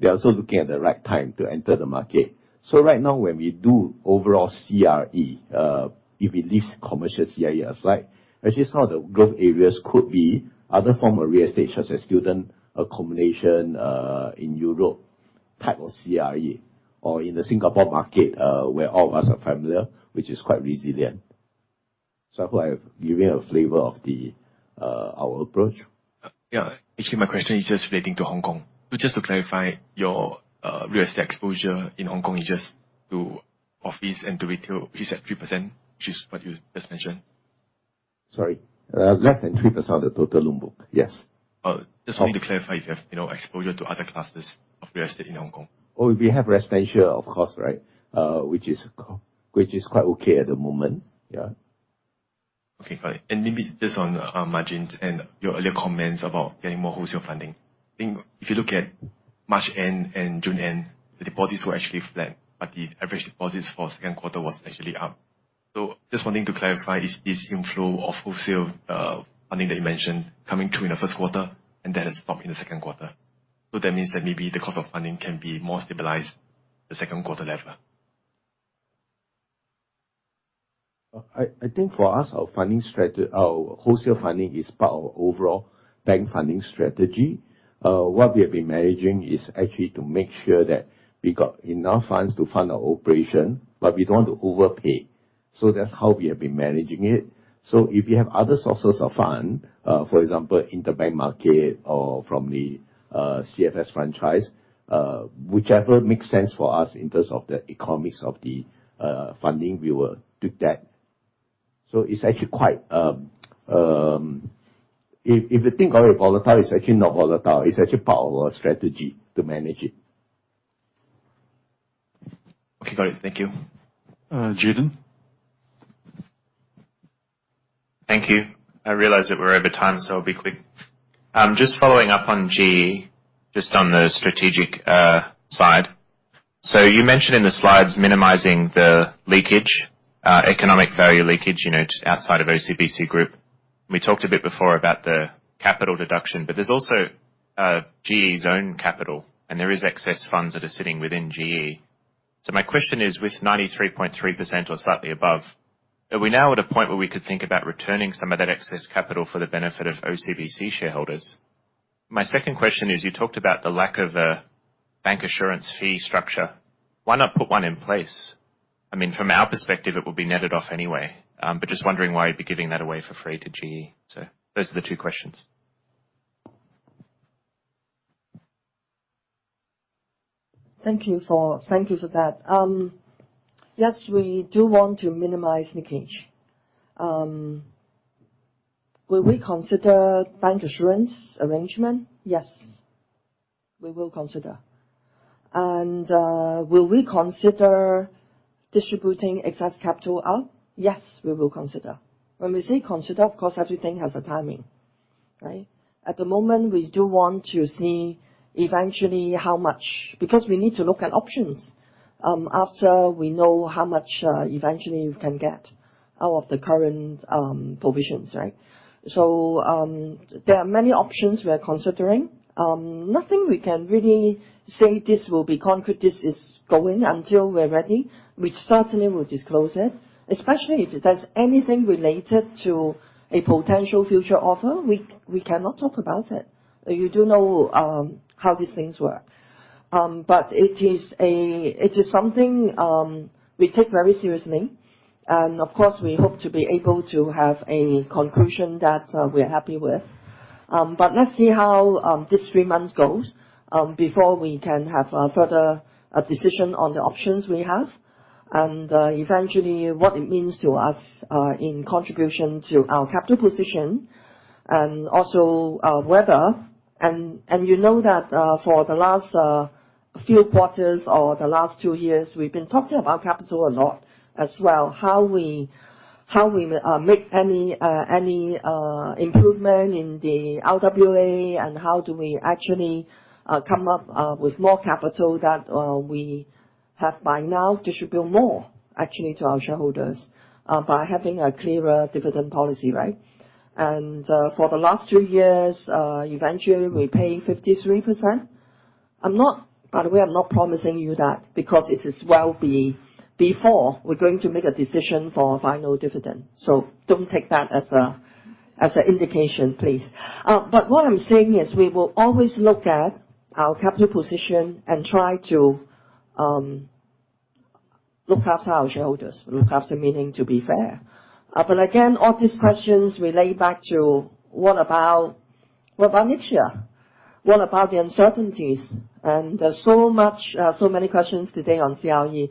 Speaker 5: They are also looking at the right time to enter the market. Right now, when we do overall CRE, if we leave commercial CRE aside, actually some of the growth areas could be other form of real estate, such as student accommodation in Europe type of CRE, or in the Singapore market, where all of us are familiar, which is quite resilient. I hope I have given a flavor of the our approach.
Speaker 18: Yeah. Actually, my question is just relating to Hong Kong. So just to clarify, your real estate exposure in Hong Kong is just to office and to retail, which is at 3%, which is what you just mentioned?
Speaker 5: Sorry, less than 3% of the total loan book. Yes.
Speaker 18: Just wanting to clarify if you have, you know, exposure to other classes of real estate in Hong Kong?
Speaker 5: Oh, we have residential, of course, right? Which is quite okay at the moment. Yeah.
Speaker 18: Okay, got it. And maybe just on margins and your earlier comments about getting more wholesale funding. I think if you look at March end and June end, the deposits were actually flat, but the average deposits for second quarter was actually up. So just wanting to clarify, is inflow of wholesale funding that you mentioned coming through in the first quarter, and that has stopped in the second quarter? So that means that maybe the cost of funding can be more stabilized the second quarter level.
Speaker 5: I think for us, our funding - our wholesale funding is part of our overall bank funding strategy. What we have been managing is actually to make sure that we got enough funds to fund our operation, but we don't want to overpay. So that's how we have been managing it. So if you have other sources of fund, for example, interbank market or from the CFS franchise, whichever makes sense for us in terms of the economics of the funding, we will do that. So it's actually quite... If you think of it volatile, it's actually not volatile. It's actually part of our strategy to manage it.
Speaker 18: Okay, got it. Thank you.
Speaker 9: Uh, Jayden?
Speaker 19: Thank you. I realize that we're over time, so I'll be quick. Just following up on GE, just on the strategic side. So you mentioned in the slides, minimizing the leakage, economic value leakage, you know, outside of OCBC Group. We talked a bit before about the capital deduction, but there's also GE's own capital, and there is excess funds that are sitting within GE. So my question is, with 93.3% or slightly above, are we now at a point where we could think about returning some of that excess capital for the benefit of OCBC shareholders? My second question is, you talked about the lack of a bancassurance fee structure. Why not put one in place? I mean, from our perspective, it will be netted off anyway, but just wondering why you'd be giving that away for free to GE. Those are the two questions.
Speaker 3: Thank you for that. Yes, we do want to minimize leakage. Will we consider bancassurance arrangement? Yes, we will consider. Will we consider distributing excess capital out? Yes, we will consider. When we say consider, of course, everything has a timing, right? At the moment, we do want to see eventually how much, because we need to look at options, after we know how much, eventually we can get out of the current, provisions, right? So, there are many options we are considering. Nothing we can really say this will be concrete, this is going. Until we're ready, we certainly will disclose it, especially if there's anything related to a potential future offer, we cannot talk about it. You do know how these things work. But it is a, it is something we take very seriously. And of course, we hope to be able to have a conclusion that, we are happy with. But let's see how, this three months goes, before we can have a further, decision on the options we have, and, eventually, what it means to us, in contribution to our capital position and also, whether-- And, you know that, for the last, few quarters or the last two years, we've been talking about capital a lot as well, how we, how we, make any, any, improvement in the RWA and how do we actually, come up, with more capital that, we have by now distribute more actually to our shareholders, by having a clearer dividend policy, right? For the last 2 years, eventually we pay 53%. I'm not—By the way, I'm not promising you that, because this is well before we're going to make a decision for final dividend. So don't take that as an indication, please. But what I'm saying is, we will always look at our capital position and try to look after our shareholders, look after, meaning to be fair. But again, all these questions relate back to what about, what about next year? What about the uncertainties? And there's so much, so many questions today on ECL.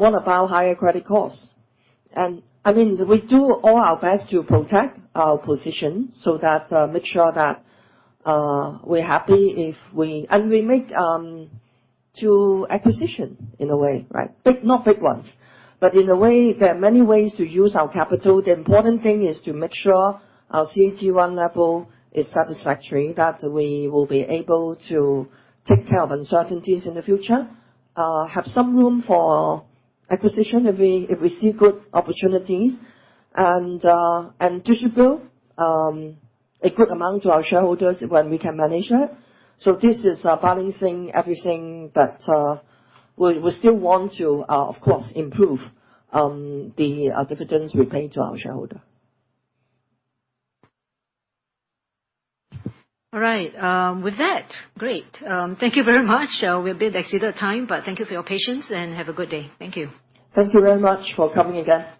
Speaker 3: What about higher credit costs? And I mean, we do all our best to protect our position so that make sure that we're happy if we... And we make 2 acquisitions in a way, right? Big, not big ones, but in a way, there are many ways to use our capital. The important thing is to make sure our CET1 level is satisfactory, that we will be able to take care of uncertainties in the future, have some room for acquisition, if we, if we see good opportunities, and, and distribute, a good amount to our shareholders when we can manage that. So this is, balancing everything, but, we, we still want to, of course, improve, the, dividends we pay to our shareholder.
Speaker 1: All right. With that, great. Thank you very much. We've a bit exceeded time, but thank you for your patience, and have a good day. Thank you.
Speaker 3: Thank you very much for coming again.